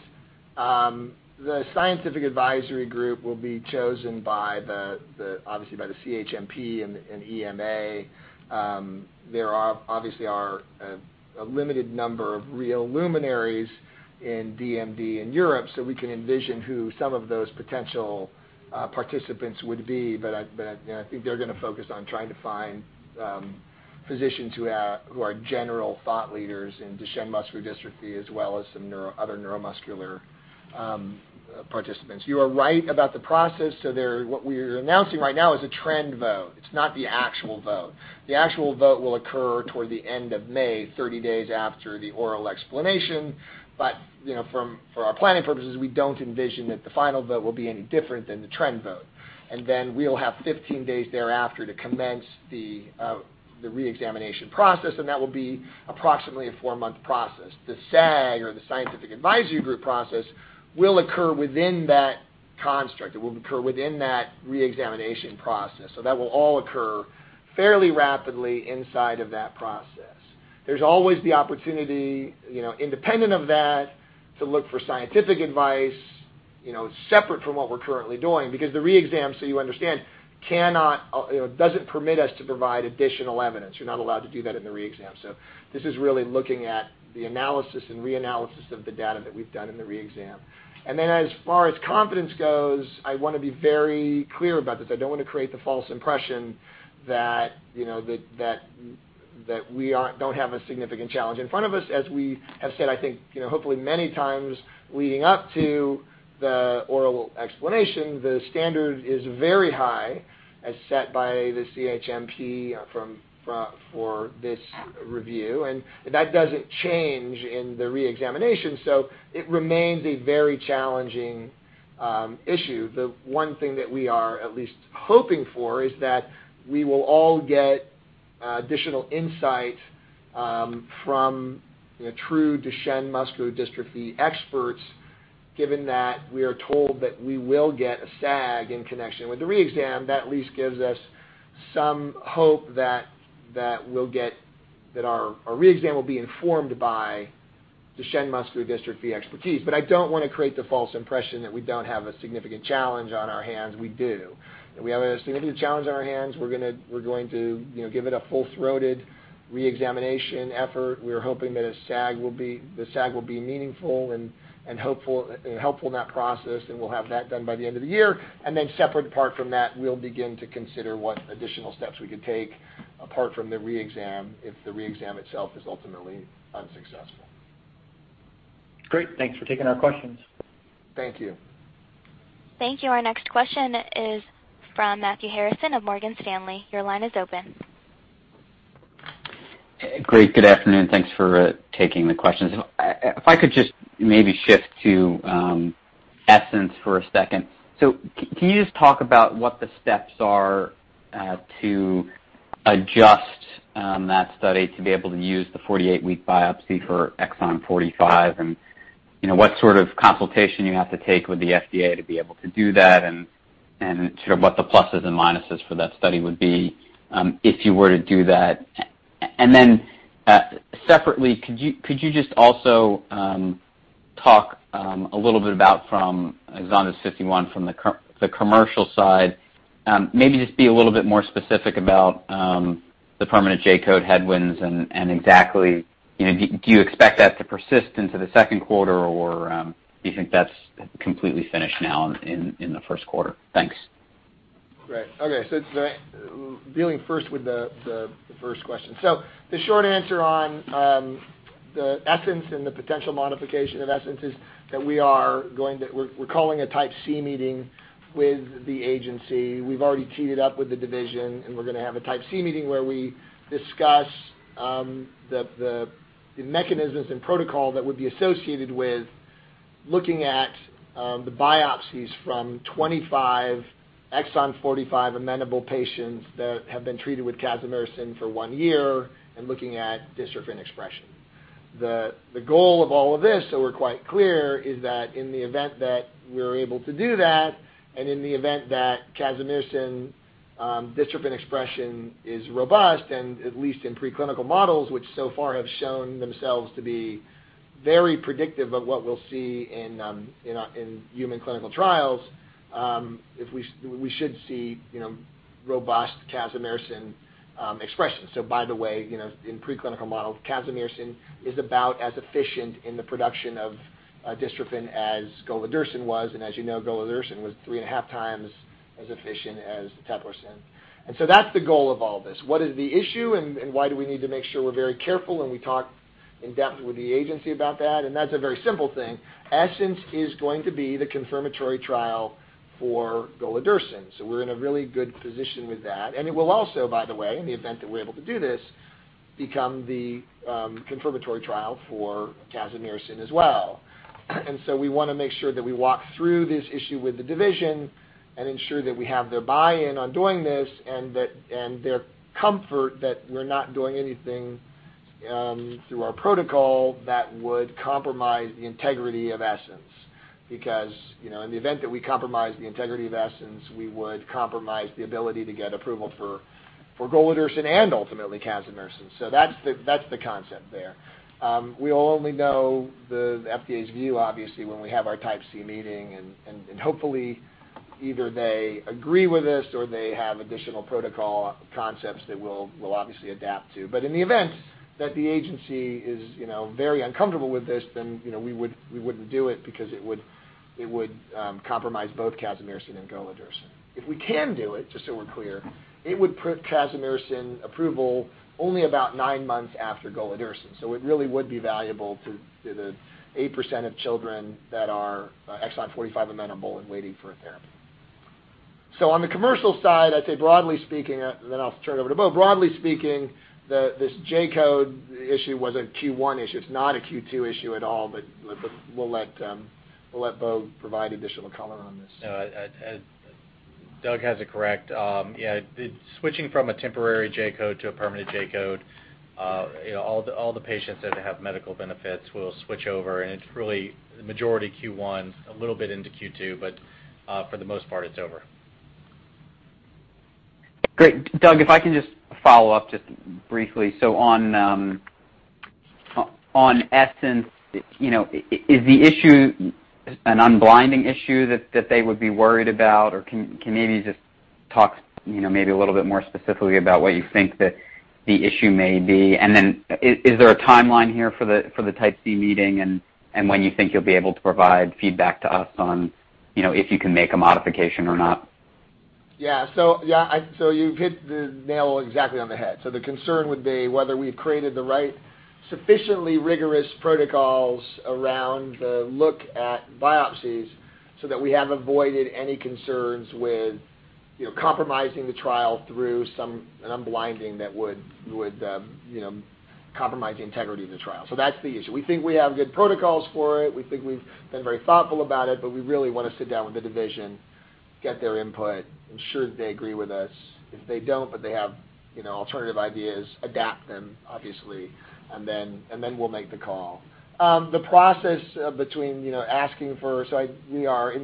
the scientific advisory group will be chosen obviously by the CHMP and EMA. There obviously are a limited number of real luminaries in DMD in Europe, so we can envision who some of those potential participants would be. I think they're going to focus on trying to find physicians who are general thought leaders in Duchenne muscular dystrophy as well as some other neuromuscular participants. You are right about the process. What we're announcing right now is a trend vote. It's not the actual vote. The actual vote will occur toward the end of May, 30 days after the oral explanation. For our planning purposes, we don't envision that the final vote will be any different than the trend vote. We'll have 15 days thereafter to commence the re-examination process, and that will be approximately a four-month process. The SAG, or the scientific advisory group process, will occur within that construct. It will occur within that re-examination process. That will all occur fairly rapidly inside of that process. There's always the opportunity, independent of that, to look for scientific advice, separate from what we're currently doing, because the re-exam, so you understand, doesn't permit us to provide additional evidence. You're not allowed to do that in the re-exam. This is really looking at the analysis and re-analysis of the data that we've done in the re-exam. As far as confidence goes, I want to be very clear about this. I don't want to create the false impression that we don't have a significant challenge in front of us. As we have said, I think hopefully many times leading up to the oral explanation, the standard is very high as set by the CHMP for this review, and that doesn't change in the re-examination. It remains a very challenging issue. The one thing that we are at least hoping for is that we will all get additional insight from true Duchenne muscular dystrophy experts, given that we are told that we will get a SAG in connection with the re-exam. That at least gives us some hope that our re-exam will be informed by Duchenne muscular dystrophy expertise. I don't want to create the false impression that we don't have a significant challenge on our hands. We do. We have a significant challenge on our hands. We're going to give it a full-throated re-examination effort. We are hoping that the SAG will be meaningful and helpful in that process, and we'll have that done by the end of the year. Separate and apart from that, we'll begin to consider what additional steps we could take apart from the re-exam if the re-exam itself is ultimately unsuccessful.
Great. Thanks for taking our questions.
Thank you.
Thank you. Our next question is from Matthew Harrison of Morgan Stanley. Your line is open.
Great. Good afternoon. Thanks for taking the questions. If I could just maybe shift to ESSENCE for a second. Can you just talk about what the steps are to adjust that study to be able to use the 48-week biopsy for exon 45, and what sort of consultation you have to take with the FDA to be able to do that, and sort of what the pluses and minuses for that study would be if you were to do that? Separately, could you just also talk a little bit about from EXONDYS 51 from the commercial side, maybe just be a little bit more specific about the permanent J-code headwinds and exactly do you expect that to persist into the second quarter, or do you think that's completely finished now in the first quarter? Thanks.
Right. Okay, dealing first with the first question. The short answer on the ESSENCE and the potential modification of ESSENCE is that we're calling a Type C meeting with the agency. We've already teed it up with the division, and we're going to have a Type C meeting where we discuss the mechanisms and protocol that would be associated with looking at the biopsies from 25 exon 45 amenable patients that have been treated with casimersen for one year and looking at dystrophin expression. The goal of all of this, so we're quite clear, is that in the event that we're able to do that, and in the event that casimersen dystrophin expression is robust, and at least in preclinical models, which so far have shown themselves to be very predictive of what we'll see in human clinical trials, we should see robust casimersen expression. By the way, in preclinical models, casimersen is about as efficient in the production of dystrophin as golodirsen was, and as you know, golodirsen was 3 and a half times as efficient as eteplirsen. That's the goal of all this. What is the issue, and why do we need to make sure we're very careful, and we talk in depth with the agency about that? That's a very simple thing. ESSENCE is going to be the confirmatory trial for golodirsen. We're in a really good position with that. It will also, by the way, in the event that we're able to do this, become the confirmatory trial for casimersen as well. We want to make sure that we walk through this issue with the division and ensure that we have their buy-in on doing this and their comfort that we're not doing anything through our protocol that would compromise the integrity of ESSENCE. Because, in the event that we compromise the integrity of ESSENCE, we would compromise the ability to get approval for golodirsen and ultimately casimersen. That's the concept there. We'll only know the FDA's view, obviously, when we have our Type C meeting, and hopefully, either they agree with this or they have additional protocol concepts that we'll obviously adapt to. In the event that the agency is very uncomfortable with this, then we wouldn't do it because it would compromise both casimersen and golodirsen. If we can do it, just so we're clear, it would put casimersen approval only about nine months after golodirsen. It really would be valuable to the 8% of children that are exon 45 amenable and waiting for a therapy. On the commercial side, I'd say broadly speaking, then I'll turn it over to Beau, broadly speaking, this J-code issue was a Q1 issue. It's not a Q2 issue at all, but we'll let Beau provide additional color on this.
Doug has it correct. Switching from a temporary J-code to a permanent J-code, all the patients that have medical benefits will switch over, and it's really the majority Q1, a little bit into Q2, but for the most part, it's over.
Great. Doug, if I can just follow up just briefly. On ESSENCE, is the issue an unblinding issue that they would be worried about? Can you maybe just talk maybe a little bit more specifically about what you think that the issue may be? Is there a timeline here for the Type C meeting and when you think you'll be able to provide feedback to us on if you can make a modification or not?
You've hit the nail exactly on the head. The concern would be whether we've created the right sufficiently rigorous protocols around the look at biopsies so that we have avoided any concerns with compromising the trial through some unblinding that would compromise the integrity of the trial. That's the issue. We think we have good protocols for it. We think we've been very thoughtful about it, but we really want to sit down with the division, get their input, ensure that they agree with us. If they don't, but they have alternative ideas, adapt them, obviously, and then we'll make the call. We are in the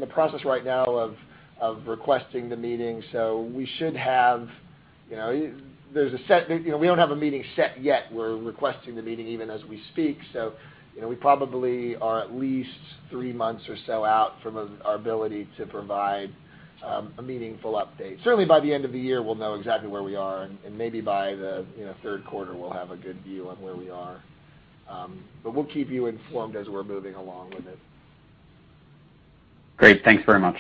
process right now of requesting the meeting. We don't have a meeting set yet. We're requesting the meeting even as we speak. We probably are at least three months or so out from our ability to provide a meaningful update. Certainly, by the end of the year, we'll know exactly where we are, and maybe by the third quarter we'll have a good view on where we are. We'll keep you informed as we're moving along with it.
Great. Thanks very much.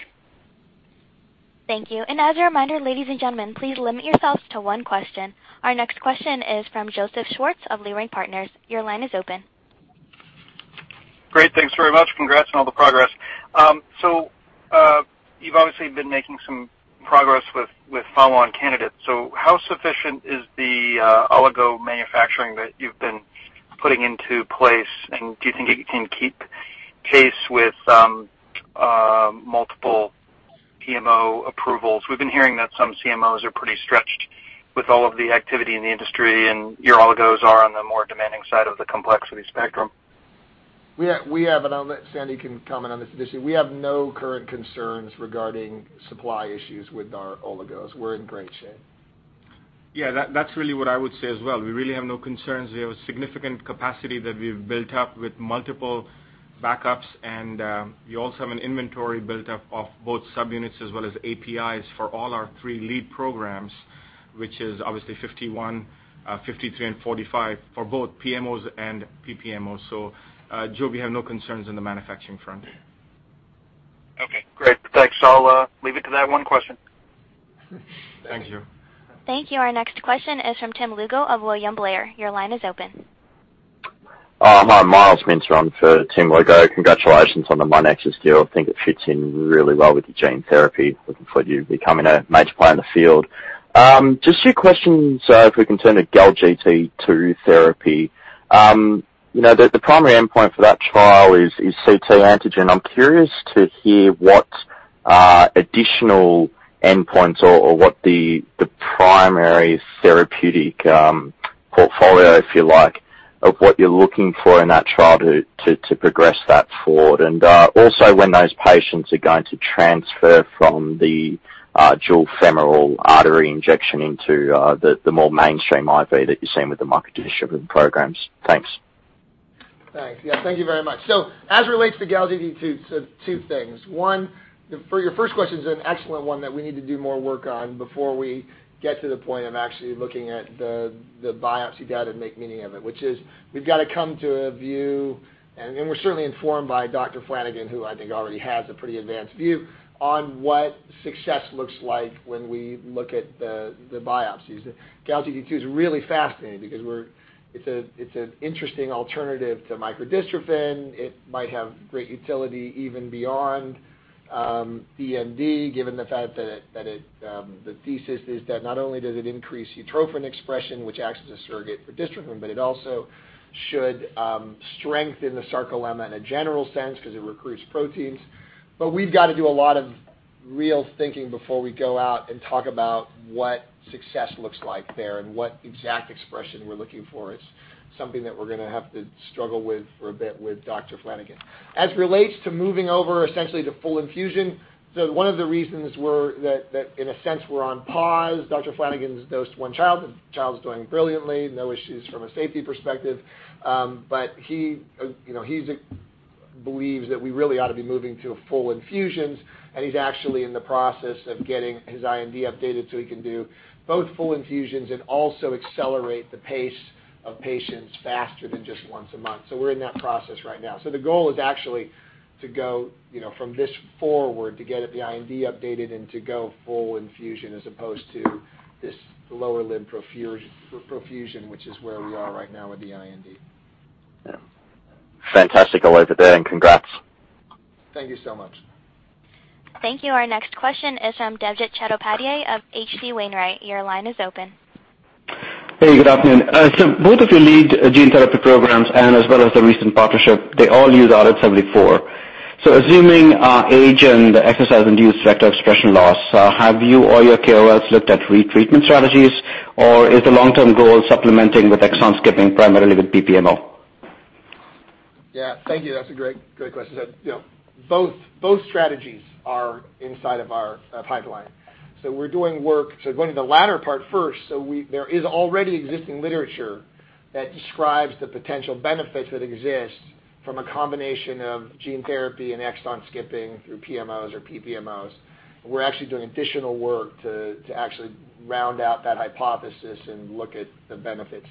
Thank you. As a reminder, ladies and gentlemen, please limit yourselves to one question. Our next question is from Joseph Schwartz of Leerink Partners. Your line is open.
Great. Thanks very much. Congrats on all the progress. You've obviously been making some progress with follow-on candidates. How sufficient is the oligo manufacturing that you've been putting into place, and do you think it can keep pace with multiple PMO approvals? We've been hearing that some CMOs are pretty stretched with all of the activity in the industry, and your oligos are on the more demanding side of the complexity spectrum.
We have, Sandy can comment on this. We have no current concerns regarding supply issues with our oligos. We're in great shape.
Yeah, that's really what I would say as well. We really have no concerns. We have a significant capacity that we've built up with multiple backups, and we also have an inventory built up of both subunits as well as APIs for all our three lead programs, which is obviously 51, 53, and 45 for both PMOs and PPMOs. Joe, we have no concerns on the manufacturing front.
Okay, great. Thanks. I'll leave it to that one question.
Thank you.
Thank you. Our next question is from Tim Lugo of William Blair. Your line is open.
Hi. Myles Minter on for Tim Lugo. Congratulations on the MyoNexus deal. I think it fits in really well with your gene therapy. Looking forward to you becoming a major player in the field. Just a few questions, if we can turn to GALGT2 therapy. The primary endpoint for that trial is CK-MB. I'm curious to hear what additional endpoints or what the primary therapeutic portfolio, if you like, of what you're looking for in that trial to progress that forward. When those patients are going to transfer from the dual femoral artery injection into the more mainstream IV that you're seeing with the microdystrophin programs. Thanks.
Thanks. Yeah, thank you very much. As relates to GALGT2, two things. One, for your first question is an excellent one that we need to do more work on before we get to the point of actually looking at the biopsy data and make meaning of it, which is we've got to come to a view, and we're certainly informed by Dr. Flanigan, who I think already has a pretty advanced view on what success looks like when we look at the biopsies. GALGT2 is really fascinating because it's an interesting alternative to microdystrophin. It might have great utility even beyond DMD, given the fact that the thesis is that not only does it increase utrophin expression, which acts as a surrogate for dystrophin, but it also should strengthen the sarcolemma in a general sense because it recruits proteins. We've got to do a lot of real thinking before we go out and talk about what success looks like there and what exact expression we're looking for. It's something that we're going to have to struggle with for a bit with Dr. Flanigan. As it relates to moving over essentially to full infusion, one of the reasons that in a sense, we're on pause, Dr. Flanigan's dosed one child, the child is doing brilliantly, no issues from a safety perspective. He believes that we really ought to be moving to full infusions, and he's actually in the process of getting his IND updated so he can do both full infusions and also accelerate the pace of patients faster than just once a month. We're in that process right now. The goal is actually to go from this forward to get the IND updated and to go full infusion, as opposed to this lower limb perfusion, which is where we are right now with the IND.
Yeah. Fantastic update there. Congrats.
Thank you so much.
Thank you. Our next question is from Debjit Chattopadhyay of H.C. Wainwright. Your line is open.
Good afternoon. Both of your lead gene therapy programs and as well as the recent partnership, they all use rAAVrh74. Assuming age and exercise-induced vector expression loss, have you or your CROs looked at retreatment strategies, or is the long-term goal supplementing with exon skipping primarily with PMO?
Yeah. Thank you. That's a great question. Both strategies are inside of our pipeline. Going to the latter part first, there is already existing literature that describes the potential benefits that exist from a combination of gene therapy and exon skipping through PMOs or PPMOs. We're actually doing additional work to actually round out that hypothesis and look at the benefits.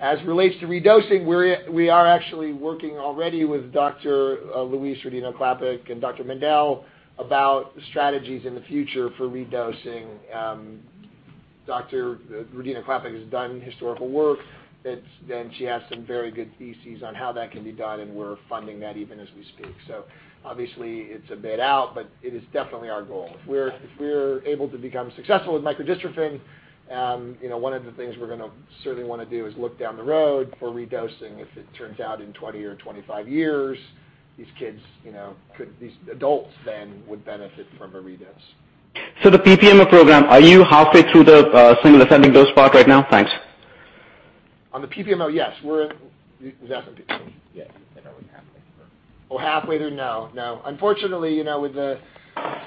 As it relates to redosing, we are actually working already with Dr. Louise Rodino-Klapac and Dr. Mendell about strategies in the future for redosing. Dr. Rodino-Klapac has done historical work. She has some very good theses on how that can be done, and we're funding that even as we speak. Obviously it's a bit out, but it is definitely our goal. If we're able to become successful with microdystrophin, one of the things we're going to certainly want to do is look down the road for redosing. If it turns out in 20 or 25 years, these adults then would benefit from a redose.
The PPMO program, are you halfway through the single ascending dose part right now? Thanks.
On the PPMO, yes. Is that on PPMO?
Yeah, I know we're halfway through.
Oh, halfway through. No. Unfortunately, with the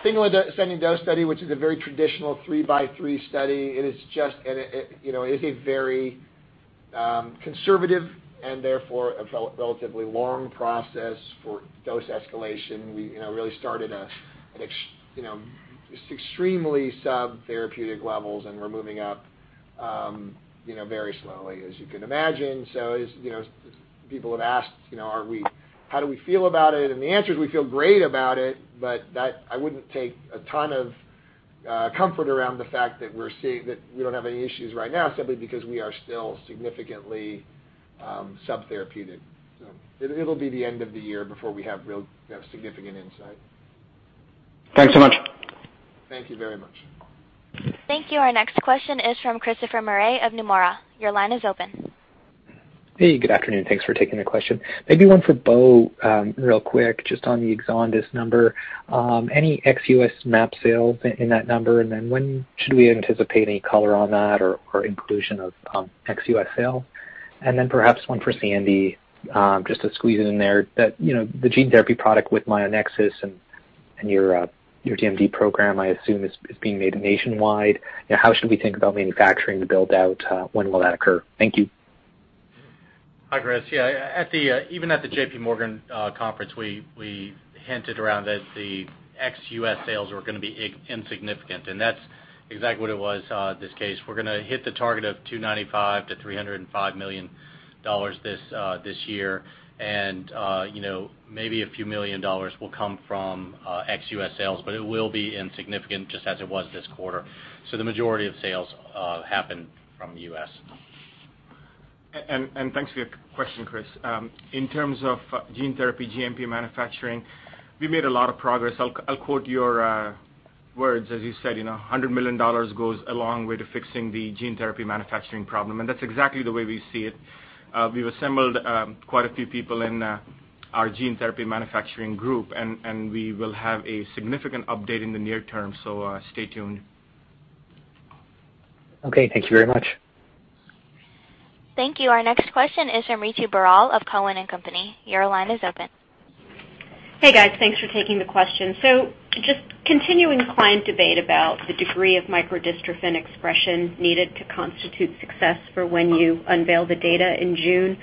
single ascending dose study, which is a very traditional three-by-three study, it is a very conservative and therefore a relatively long process for dose escalation. We really started at extremely subtherapeutic levels, and we're moving up very slowly, as you can imagine. People have asked, how do we feel about it? The answer is we feel great about it, but I wouldn't take a ton of comfort around the fact that we don't have any issues right now simply because we are still significantly subtherapeutic. It'll be the end of the year before we have real significant insight.
Thanks so much.
Thank you very much.
Thank you. Our next question is from Christopher Murray of Nomura. Your line is open.
Hey, good afternoon. Thanks for taking the question. Maybe one for Beau real quick, just on the EXONDYS number. Any ex-U.S. map sales in that number, and then when should we anticipate any color on that or inclusion of ex-U.S. sale? Perhaps one for Sandy, just to squeeze it in there, the gene therapy product with MyoNexus and your DMD program, I assume, is being made nationwide. How should we think about manufacturing the build-out? When will that occur? Thank you.
Hi, Chris. Yeah. Even at the J.P. Morgan Conference, we hinted around that the ex-U.S. sales were going to be insignificant, that's exactly what it was this case. We're going to hit the target of $295 million-$305 million this year, maybe a few million dollars will come from ex-U.S. sales, but it will be insignificant just as it was this quarter. The majority of sales happen from U.S.
Thanks for your question, Chris. In terms of gene therapy GMP manufacturing, we've made a lot of progress. I'll quote your words as you said, "$100 million goes a long way to fixing the gene therapy manufacturing problem," that's exactly the way we see it. We've assembled quite a few people in our gene therapy manufacturing group, we will have a significant update in the near term. Stay tuned.
Okay. Thank you very much.
Thank you. Our next question is from Ritu Baral of Cowen and Company. Your line is open.
Hey, guys. Thanks for taking the question. Just continuing client debate about the degree of microdystrophin expression needed to constitute success for when you unveil the data in June.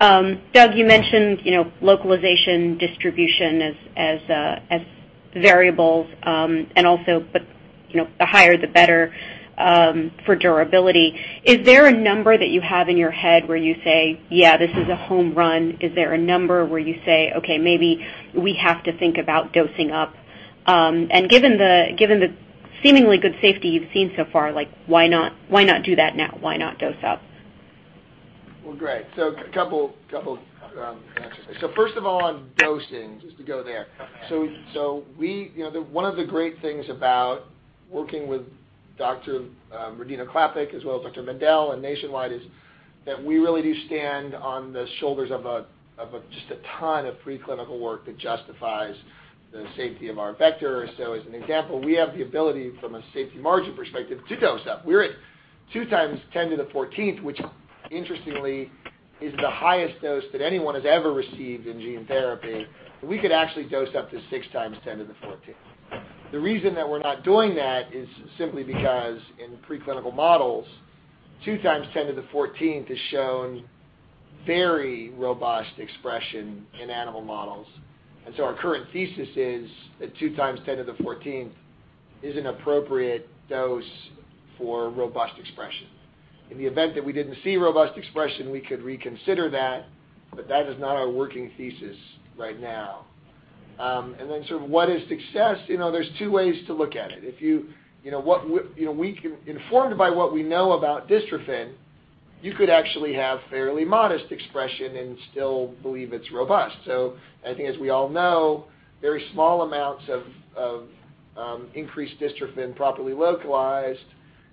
Doug, you mentioned localization, distribution as variables, and also, the higher the better for durability. Is there a number that you have in your head where you say, "Yeah, this is a home run?" Is there a number where you say, "Okay, maybe we have to think about dosing up"? And given the seemingly good safety you've seen so far, why not do that now? Why not dose up?
Great. A couple answers. First of all, on dosing, just to go there. One of the great things about working with Dr. Rodino-Klapac, as well as Dr. Mendell at Nationwide, is that we really do stand on the shoulders of just a ton of pre-clinical work that justifies the safety of our vector. As an example, we have the ability, from a safety margin perspective, to dose up. We're at two times 10 to the 14th, which interestingly is the highest dose that anyone has ever received in gene therapy. We could actually dose up to six times 10 to the 14th. The reason that we're not doing that is simply because in pre-clinical models, two times 10 to the 14th has shown very robust expression in animal models. Our current thesis is that 2 times 10 to the 14th is an appropriate dose for robust expression. In the event that we didn't see robust expression, we could reconsider that, but that is not our working thesis right now. Sort of what is success? There's two ways to look at it. Informed by what we know about dystrophin, you could actually have fairly modest expression and still believe it's robust. I think, as we all know, very small amounts of increased dystrophin properly localized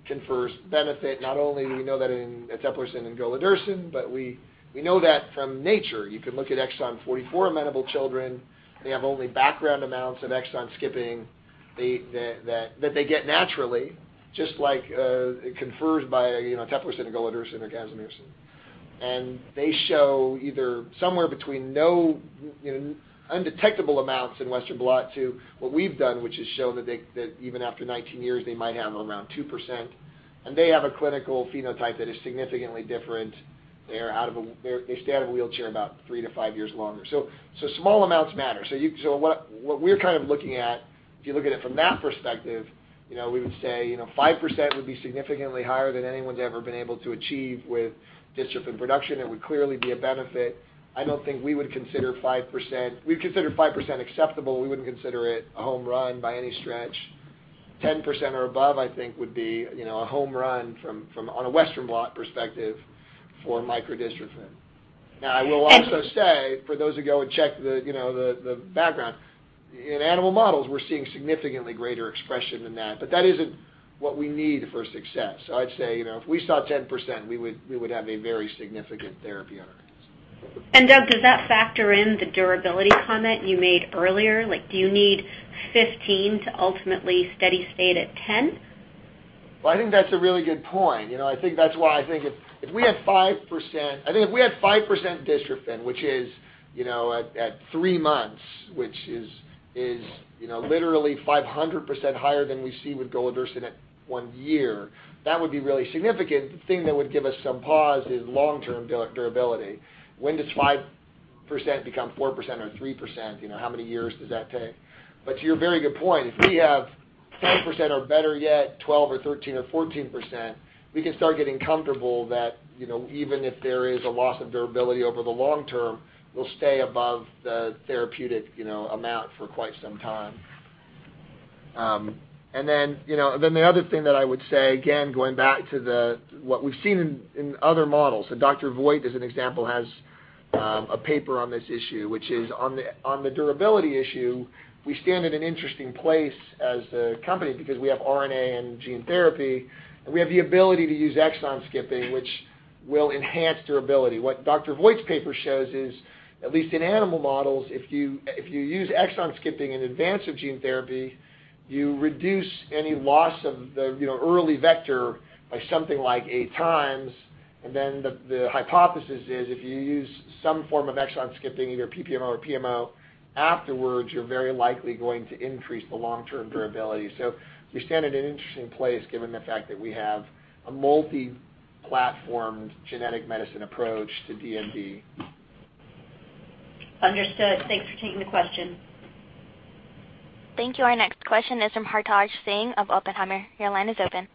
confers benefit. Not only do we know that in eteplirsen and golodirsen, but we know that from nature. You can look at exon 44 amenable children. They have only background amounts of exon skipping that they get naturally, just like it confers by eteplirsen, golodirsen, or casimersen. They show either somewhere between undetectable amounts in Western blot to what we've done, which is show that even after 19 years, they might have around 2%. They have a clinical phenotype that is significantly different. They stay out of a wheelchair about three to five years longer. Small amounts matter. What we're kind of looking at, if you look at it from that perspective, we would say 5% would be significantly higher than anyone's ever been able to achieve with dystrophin production. It would clearly be a benefit. We'd consider 5% acceptable. We wouldn't consider it a home run by any stretch. 10% or above, I think would be a home run on a Western blot perspective for microdystrophin. I will also say, for those who go and check the background, in animal models, we're seeing significantly greater expression than that, but that isn't what we need for success. I'd say, if we saw 10%, we would have a very significant therapy on our hands.
Doug, does that factor in the durability comment you made earlier? Do you need 15 to ultimately steady state at 10?
I think that's a really good point. I think if we had 5% dystrophin, which is at three months, which is literally 500% higher than we see with golodirsen at one year, that would be really significant. The thing that would give us some pause is long-term durability. When does 5% become 4% or 3%? How many years does that take? To your very good point, if we have 10% or better yet, 12 or 13 or 14%, we can start getting comfortable that even if there is a loss of durability over the long term, we'll stay above the therapeutic amount for quite some time. The other thing that I would say, again, going back to what we've seen in other models, Dr. Voigt, as an example, has a paper on this issue, which is on the durability issue, we stand at an interesting place as a company because we have RNA and gene therapy, and we have the ability to use exon skipping, which will enhance durability. What Dr. Voigt's paper shows is, at least in animal models, if you use exon skipping in advance of gene therapy, you reduce any loss of the early vector by something like eight times. The hypothesis is if you use some form of exon skipping, either PPMO or PMO afterwards, you're very likely going to increase the long-term durability. We stand at an interesting place given the fact that we have a multi-platform genetic medicine approach to DMD.
Understood. Thanks for taking the question.
Thank you. Our next question is from Hartaj Singh of Oppenheimer. Your line is open.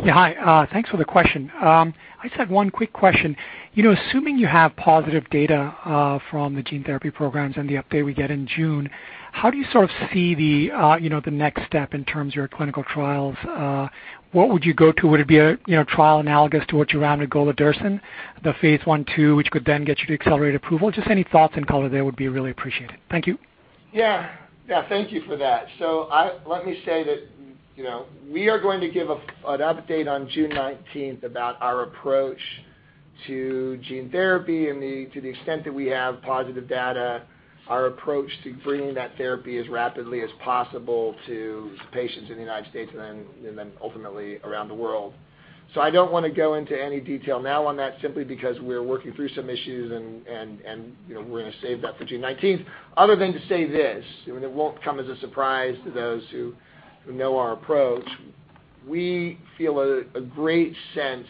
Hi. Thanks for the question. I just had one quick question. Assuming you have positive data from the gene therapy programs and the update we get in June, how do you sort of see the next step in terms of your clinical trials? What would you go to? Would it be a trial analogous to what you ran with golodirsen, the phase I/II, which could then get you to accelerated approval? Just any thoughts and color there would be really appreciated. Thank you.
Thank you for that. Let me say that we are going to give an update on June 19th about our approach to gene therapy, and to the extent that we have positive data, our approach to bringing that therapy as rapidly as possible to patients in the U.S. and then ultimately around the world. I don't want to go into any detail now on that simply because we're working through some issues, and we're going to save that for June 19th, other than to say this, it won't come as a surprise to those who know our approach. We feel a great sense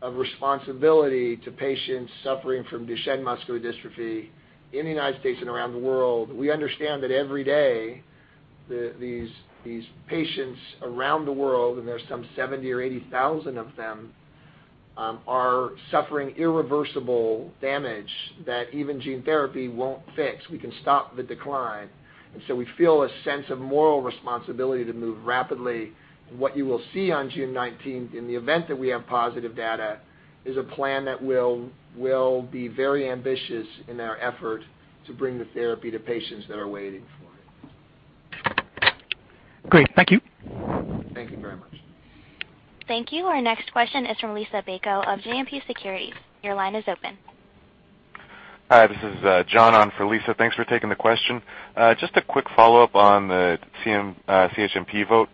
of responsibility to patients suffering from Duchenne muscular dystrophy in the U.S. and around the world. We understand that every day, these patients around the world, and there's some 70,000 or 80,000 of them, are suffering irreversible damage that even gene therapy won't fix. We can stop the decline. We feel a sense of moral responsibility to move rapidly. What you will see on June 19th, in the event that we have positive data, is a plan that will be very ambitious in our effort to bring the therapy to patients that are waiting for it.
Great. Thank you.
Thank you very much.
Thank you. Our next question is from Liisa Bayko of JMP Securities. Your line is open.
Hi, this is John on for Liisa. Thanks for taking the question. Just a quick follow-up on the CHMP vote.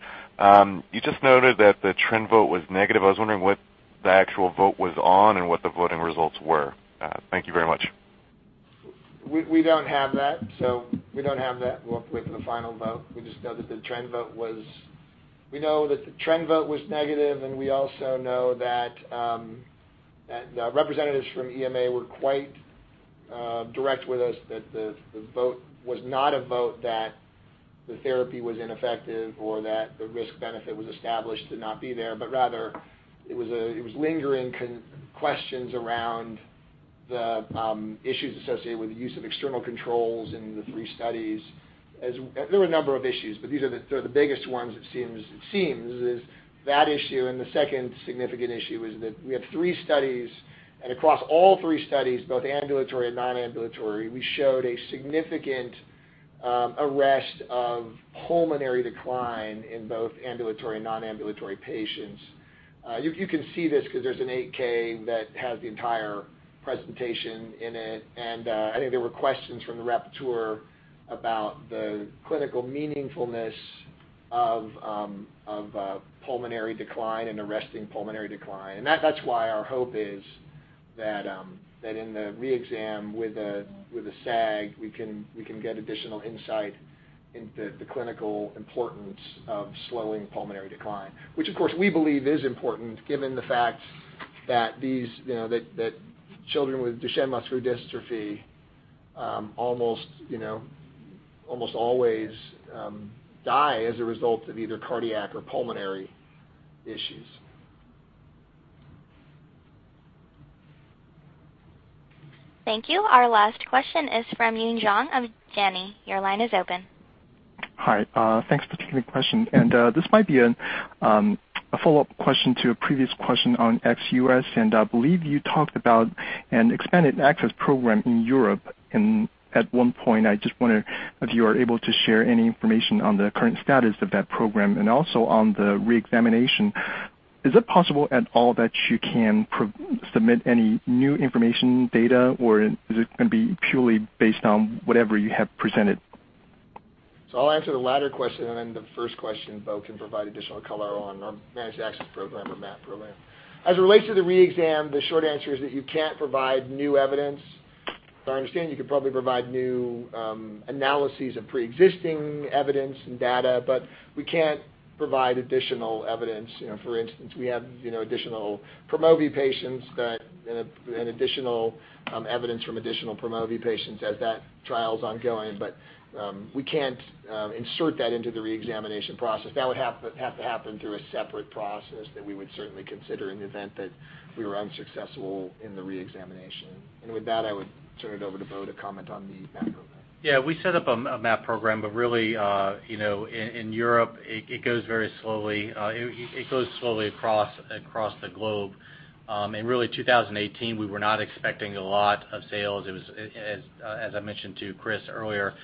You just noted that the trend vote was negative. I was wondering what the actual vote was on and what the voting results were. Thank you very much.
We don't have that with the final vote. We just know that the trend vote was negative, and we also know that representatives from EMA were quite direct with us that the vote was not a vote that the therapy was ineffective or that the risk-benefit was established to not be there, but rather it was lingering questions around the issues associated with the use of external controls in the three studies. There were a number of issues, but these are the biggest ones, it seems, is that issue, and the second significant issue is that we have three studies, and across all three studies, both ambulatory and non-ambulatory, we showed a significant arrest of pulmonary decline in both ambulatory and non-ambulatory patients. You can see this because there's an 8-K that has the entire presentation in it. I think there were questions from the rapporteur about the clinical meaningfulness of pulmonary decline and arresting pulmonary decline. That's why our hope is that in the re-exam with the SAG, we can get additional insight into the clinical importance of slowing pulmonary decline, which, of course, we believe is important given the fact that children with Duchenne muscular dystrophy almost always die as a result of either cardiac or pulmonary issues.
Thank you. Our last question is from Yun Zhong of Janney. Your line is open.
Hi, thanks for taking the question. This might be a follow-up question to a previous question on ex-U.S., and I believe you talked about an expanded access program in Europe at one point. I just wonder if you are able to share any information on the current status of that program and also on the re-examination. Is it possible at all that you can submit any new information, data, or is it going to be purely based on whatever you have presented?
I'll answer the latter question, and then the first question, Beau can provide additional color on our Managed Access Program or MAP program. As it relates to the re-exam, the short answer is that you can't provide new evidence. As I understand, you could probably provide new analyses of preexisting evidence and data, but we can't provide additional evidence. For instance, we have additional PROMOVI patients and additional evidence from additional PROMOVI patients as that trial's ongoing, but we can't insert that into the re-examination process. That would have to happen through a separate process that we would certainly consider in the event that we were unsuccessful in the re-examination. With that, I would turn it over to Beau to comment on the MAP program.
Yeah, we set up a MAP program, really, in Europe, it goes very slowly. It goes slowly across the globe. Really, 2018, we were not expecting a lot of sales. As I mentioned to Chris earlier,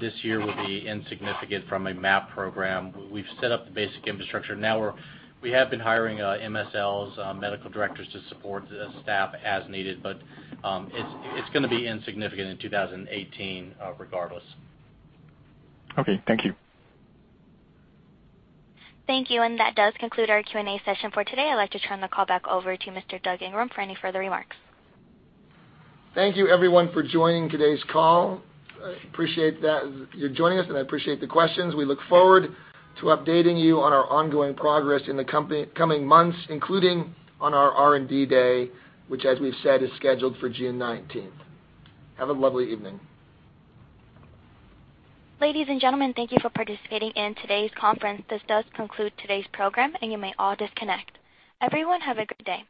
this year will be insignificant from a MAP program. We've set up the basic infrastructure. Now we have been hiring MSLs, medical directors to support the staff as needed, but it's going to be insignificant in 2018 regardless.
Okay, thank you.
Thank you. That does conclude our Q&A session for today. I'd like to turn the call back over to Mr. Doug Ingram for any further remarks.
Thank you everyone for joining today's call. I appreciate that you're joining us, and I appreciate the questions. We look forward to updating you on our ongoing progress in the coming months, including on our R&D Day, which, as we've said, is scheduled for June 19th. Have a lovely evening.
Ladies and gentlemen, thank you for participating in today's conference. This does conclude today's program. You may all disconnect. Everyone, have a good day.